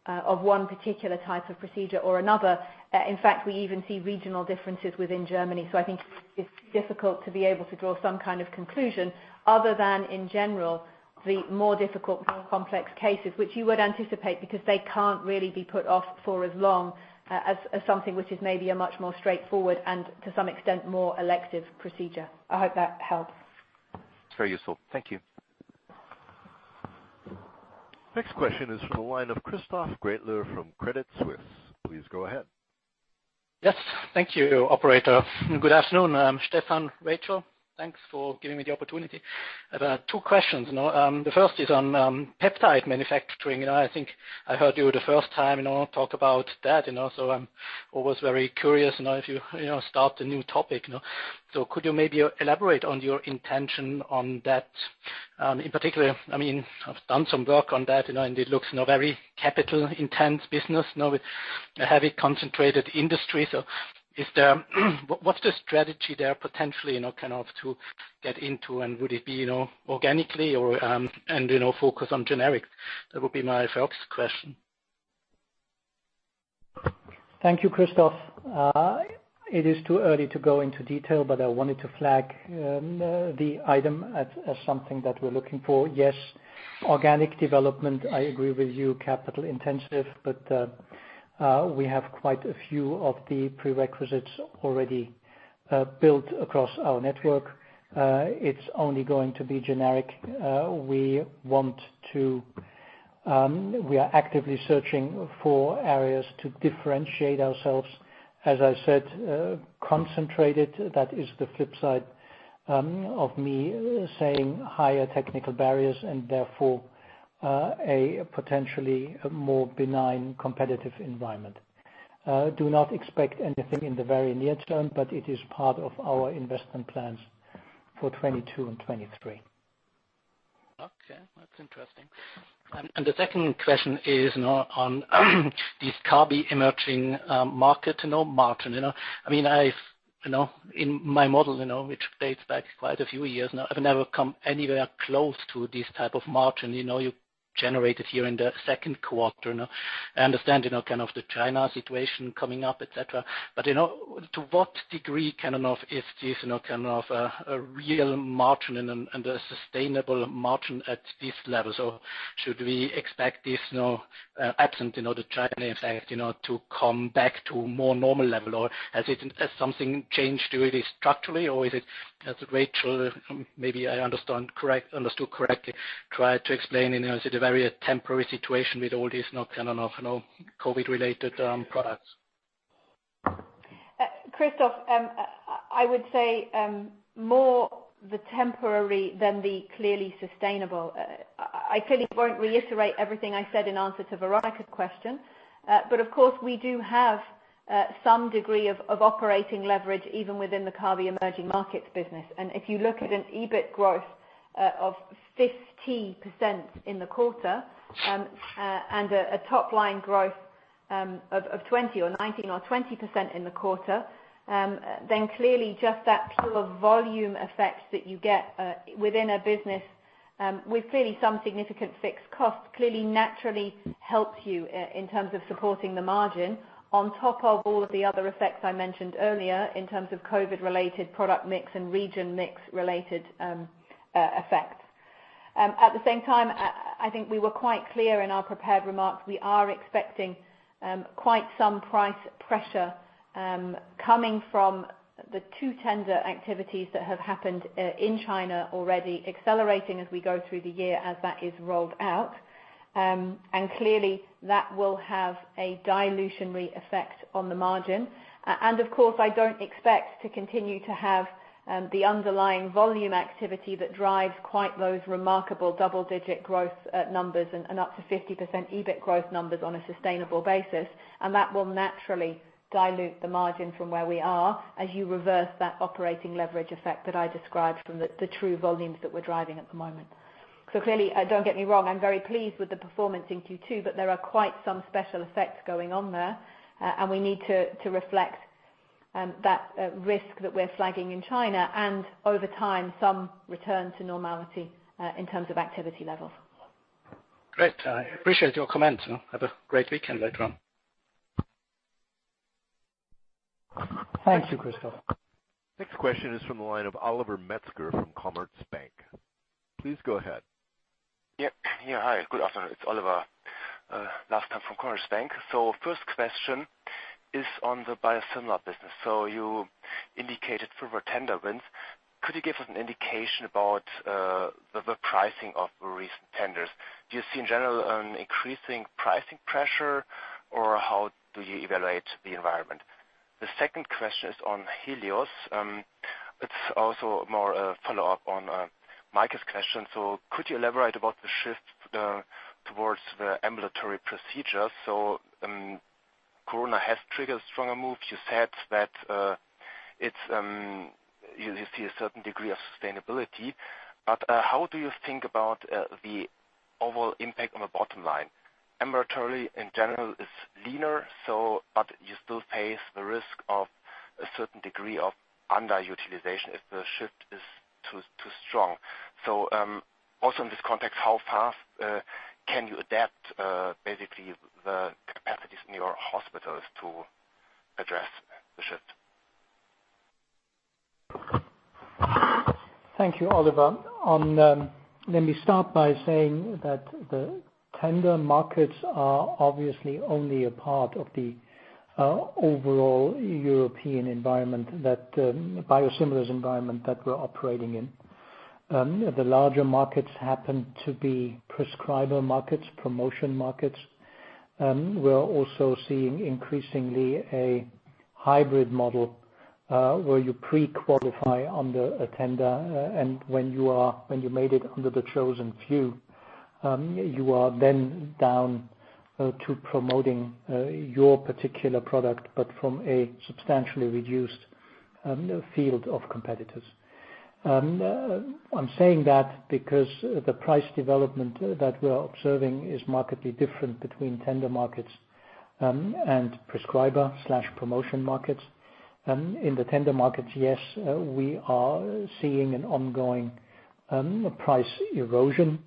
of one particular type of procedure or another. In fact, we even see regional differences within Germany. I think it's difficult to be able to draw some kind of conclusion other than in general, the more difficult, more complex cases, which you would anticipate because they can't really be put off for as long as something which is maybe a much more straightforward and to some extent, more elective procedure. I hope that helps. Very useful. Thank you. Next question is from the line of Christoph Gretler from Credit Suisse, please go ahead. Yes. Thank you, operator, and good afternoon Stephan, Rachel? Thanks for giving me the opportunity. I have two questions. The first is on peptide manufacturing. I think I heard you the first time talk about that, also I'm always very curious if you start a new topic. Could you maybe elaborate on your intention on that? In particular, I've done some work on that, and it looks very capital intense business now with a heavy concentrated industry. What's the strategy there potentially to get into, and would it be organically and focus on generics? That would be my first question. Thank you, Christoph. It is too early to go into detail, but I wanted to flag the item as something that we're looking for. Yes, organic development, I agree with you, capital intensive, but we have quite a few of the prerequisites already built across our network. It's only going to be generic. We are actively searching for areas to differentiate ourselves, as I said, concentrated. That is the flip side of me saying higher technical barriers and therefore, a potentially more benign competitive environment. Do not expect anything in the very near term, but it is part of our investment plans for 2022 and 2023. Okay. That's interesting. The second question is on this Kabi emerging market margin. In my model, which dates back quite a few years now, I've never come anywhere close to this type of margin. You generated here in the second quarter. I understand the China situation coming up, et cetera. To what degree is this a real margin and a sustainable margin at this level? Should we expect this now, absent the China effect, to come back to a more normal level? Has something changed really structurally? Is it, as Rachel, maybe I understood correctly, tried to explain, is it a very temporary situation with all these COVID-related products? Christoph, I would say more the temporary than the clearly sustainable. I clearly won't reiterate everything I said in answer to Veronika's question. Of course, we do have some degree of operating leverage even within the Kabi Emerging Markets business. If you look at an EBIT growth of 50% in the quarter, a top-line growth of 19% or 20% in the quarter, clearly just that pure volume effect that you get within a business with clearly some significant fixed costs, clearly naturally helps you in terms of supporting the margin on top of all of the other effects I mentioned earlier in terms of COVID-related product mix and region mix related effects. At the same time, I think we were quite clear in our prepared remarks. We are expecting quite some price pressure coming from the two tender activities that have happened in China already accelerating as we go through the year as that is rolled out. Clearly, that will have a dilutionary effect on the margin. Of course, I don't expect to continue to have the underlying volume activity that drives quite those remarkable double-digit growth numbers and up to 50% EBIT growth numbers on a sustainable basis. That will naturally dilute the margin from where we are as you reverse that operating leverage effect that I described from the true volumes that we're driving at the moment. Clearly, don't get me wrong, I'm very pleased with the performance in Q2, but there are quite some special effects going on there. We need to reflect that risk that we're flagging in China and over time, some return to normality in terms of activity levels. Great. I appreciate your comments. Have a great weekend later on. Thank you, Christoph. Next question is from the line of Oliver Metzger from Commerzbank, please go ahead. Hi, good afternoon? It's Oliver, last time from Commerzbank. First question is on the biosimilar business. You indicated further tender wins. Could you give us an indication about the pricing of the recent tenders? Do you see in general an increasing pricing pressure, or how do you evaluate the environment? The second question is on Helios. It's also more a follow-up on Michael's question. Could you elaborate about the shift towards the ambulatory procedure? Corona has triggered a stronger move. You said that you see a certain degree of sustainability. How do you think about the overall impact on the bottom line? Ambulatory in general is leaner, but you still face the risk of a certain degree of underutilization if the shift is too strong. Also in this context, how fast can you adapt basically the capacities in your hospitals to address the shift? Thank you, Oliver. Let me start by saying that the tender markets are obviously only a part of the overall European environment, that biosimilars environment that we're operating in. The larger markets happen to be prescriber markets, promotion markets. We are also seeing increasingly a hybrid model, where you pre-qualify under a tender, and when you made it under the chosen few, you are then down to promoting your particular product, but from a substantially reduced field of competitors. I'm saying that because the price development that we are observing is markedly different between tender markets and prescriber/promotion markets. In the tender markets, yes, we are seeing an ongoing price erosion,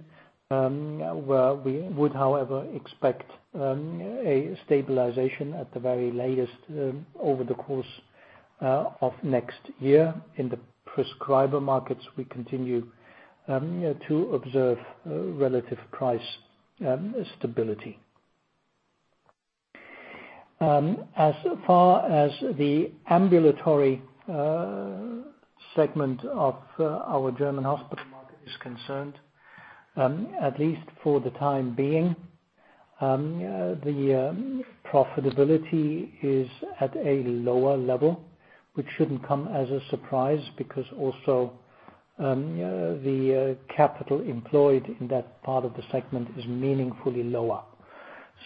where we would however expect a stabilization at the very latest over the course of next year. In the prescriber markets, we continue to observe relative price stability. As far as the ambulatory segment of our German hospital market is concerned, at least for the time being, the profitability is at a lower level. Which shouldn't come as a surprise, because also the capital employed in that part of the segment is meaningfully lower.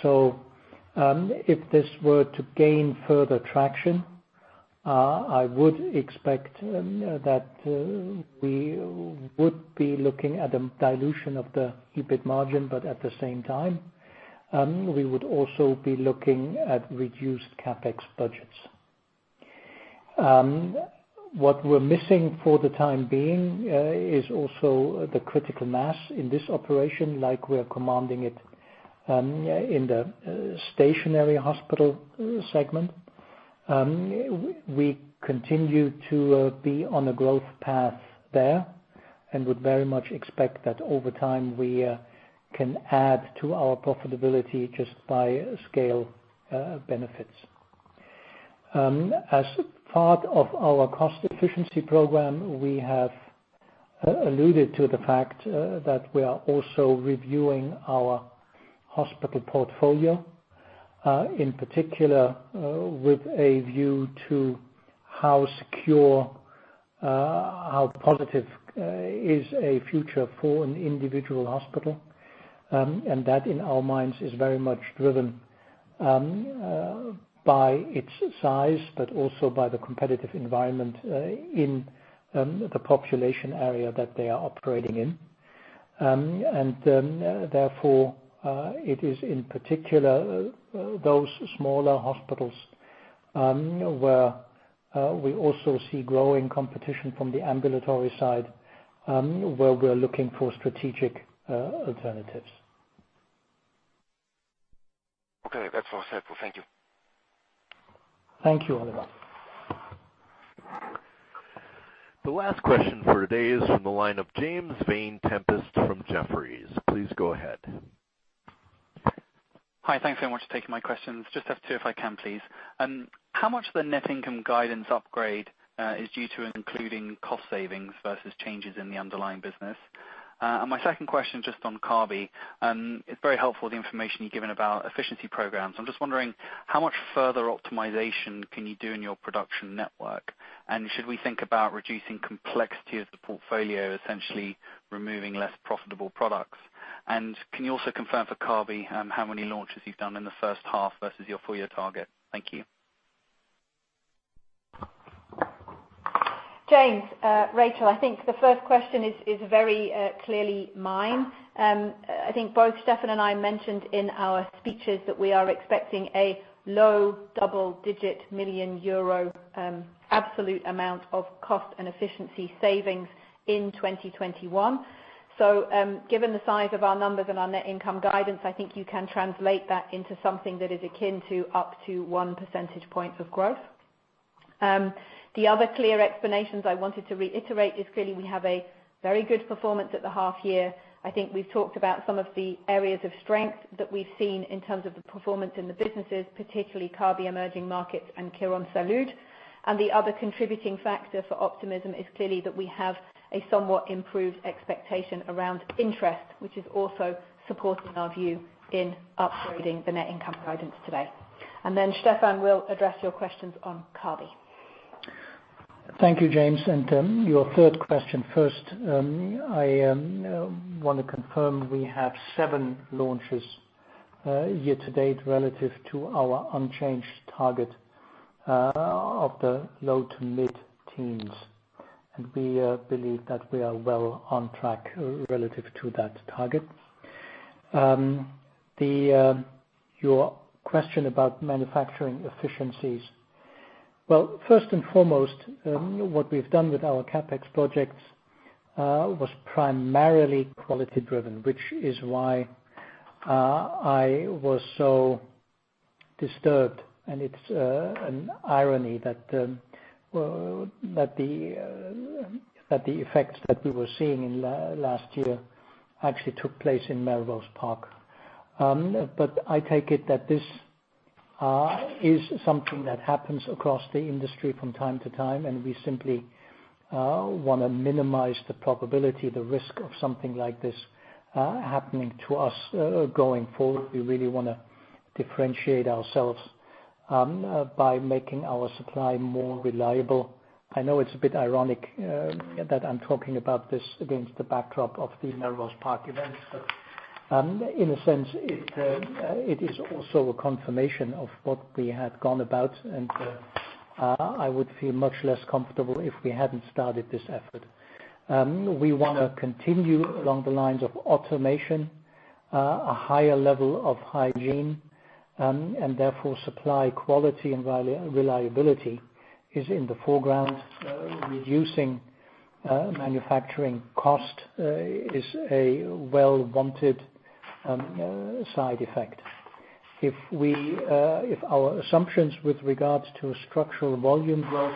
If this were to gain further traction, I would expect that we would be looking at a dilution of the EBIT margin. At the same time, we would also be looking at reduced CapEx budgets. What we're missing for the time being is also the critical mass in this operation, like we are commanding it in the stationary hospital segment. We continue to be on a growth path there, and would very much expect that over time, we can add to our profitability just by scale benefits. As part of our cost efficiency program, we have alluded to the fact that we are also reviewing our hospital portfolio. In particular with a view to how secure, how positive is a future for an individual hospital. That, in our minds, is very much driven by its size, but also by the competitive environment in the population area that they are operating in. Therefore, it is in particular those smaller hospitals, where we also see growing competition from the ambulatory side, where we are looking for strategic alternatives. Okay. That's all I had. Thank you. Thank you, Oliver. The last question for today is from the line of James Vane-Tempest from Jefferies, please go ahead. Hi. Thanks very much for taking my questions. Just have two, if I can, please. How much of the net income guidance upgrade is due to including cost savings versus changes in the underlying business? My second question, just on Kabi. It's very helpful, the information you've given about efficiency programs. I'm just wondering, how much further optimization can you do in your production network? Should we think about reducing complexity of the portfolio, essentially removing less profitable products? Can you also confirm for Kabi, how many launches you've done in the first half versus your full-year target? Thank you. James, Rachel, I think the first question is very clearly mine. I think both Stephan and I mentioned in our speeches that we are expecting a low double-digit million EUR absolute amount of cost and efficiency savings in 2021. Given the size of our numbers and our net income guidance, I think you can translate that into something that is akin to up to one percentage point of growth. The other clear explanations I wanted to reiterate is clearly we have a very good performance at the half year. I think we've talked about some of the areas of strength that we've seen in terms of the performance in the businesses, particularly Kabi Emerging Markets and Quirónsalud. The other contributing factor for optimism is clearly that we have a somewhat improved expectation around interest, which is also supporting our view in upgrading the net income guidance today. Then Stephan will address your questions on Kabi. Thank you, James. Your third question first. I want to confirm we have seven launches year to date relative to our unchanged target of the low to mid teens. We believe that we are well on track relative to that target. Your question about manufacturing efficiencies. Well, first and foremost, what we've done with our CapEx projects was primarily quality driven, which is why I was so disturbed. It's an irony that the effects that we were seeing in last year actually took place in Melrose Park. I take it that this is something that happens across the industry from time to time, and we simply want to minimize the probability, the risk of something like this happening to us going forward. We really want to differentiate ourselves by making our supply more reliable. I know it's a bit ironic that I'm talking about this against the backdrop of the Melrose Park events. In a sense, it is also a confirmation of what we had gone about, and I would feel much less comfortable if we hadn't started this effort. We want to continue along the lines of automation, a higher level of hygiene, and therefore supply quality and reliability is in the foreground. Reducing manufacturing cost is a well-wanted side effect. If our assumptions with regards to structural volume growth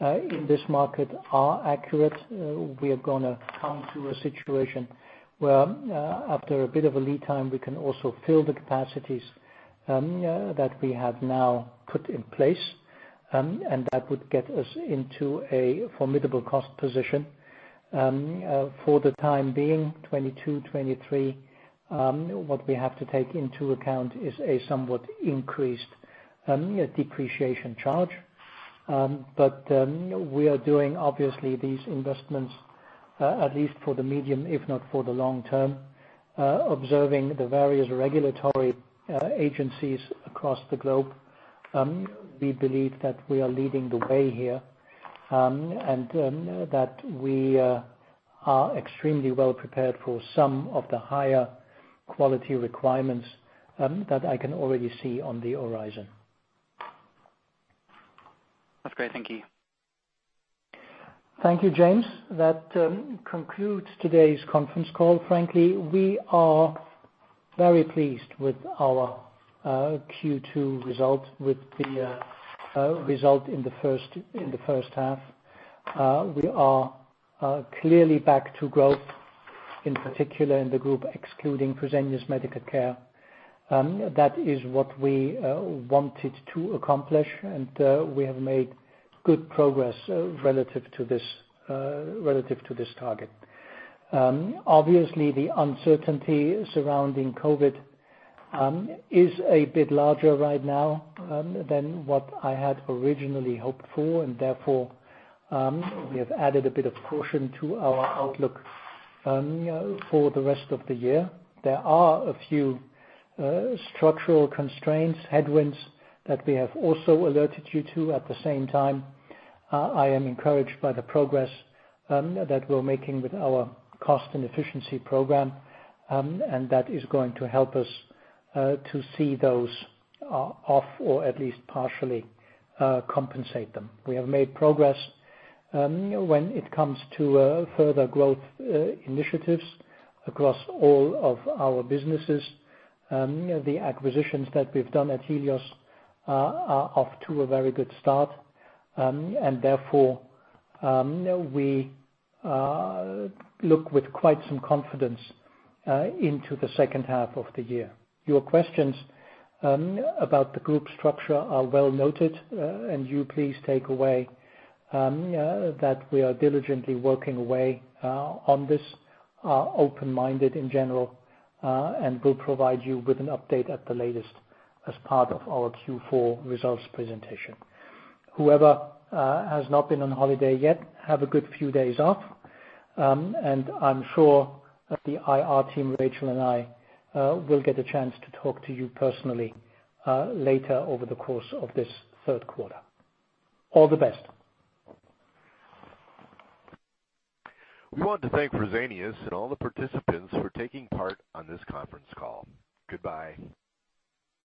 in this market are accurate, we are going to come to a situation where, after a bit of a lead time, we can also fill the capacities that we have now put in place, and that would get us into a formidable cost position. For the time being, 2022, 2023, what we have to take into account is a somewhat increased depreciation charge. We are doing, obviously, these investments at least for the medium, if not for the long term. Observing the various regulatory agencies across the globe, we believe that we are leading the way here, and that we are extremely well-prepared for some of the higher quality requirements that I can already see on the horizon. That's great. Thank you. Thank you, James. That concludes today's conference call. Frankly, we are very pleased with our Q2 result, with the result in the first half. We are clearly back to growth, in particular in the group excluding Fresenius Medical Care. That is what we wanted to accomplish, and we have made good progress relative to this target. Obviously, the uncertainty surrounding COVID is a bit larger right now than what I had originally hoped for. Therefore, we have added a bit of caution to our outlook for the rest of the year. There are a few structural constraints, headwinds, that we have also alerted you to. At the same time, I am encouraged by the progress that we're making with our cost and efficiency program, and that is going to help us to see those off or at least partially compensate them. We have made progress when it comes to further growth initiatives across all of our businesses. The acquisitions that we've done at Helios are off to a very good start, and therefore, we look with quite some confidence into the second half of the year. Your questions about the group structure are well noted, and you please take away that we are diligently working away on this, are open-minded in general, and will provide you with an update at the latest as part of our Q4 results presentation. Whoever has not been on holiday yet, have a good few days off, and I'm sure the IR team, Rachel and I, will get a chance to talk to you personally later over the course of this third quarter. All the best. We want to thank Fresenius and all the participants for taking part on this conference call. Goodbye.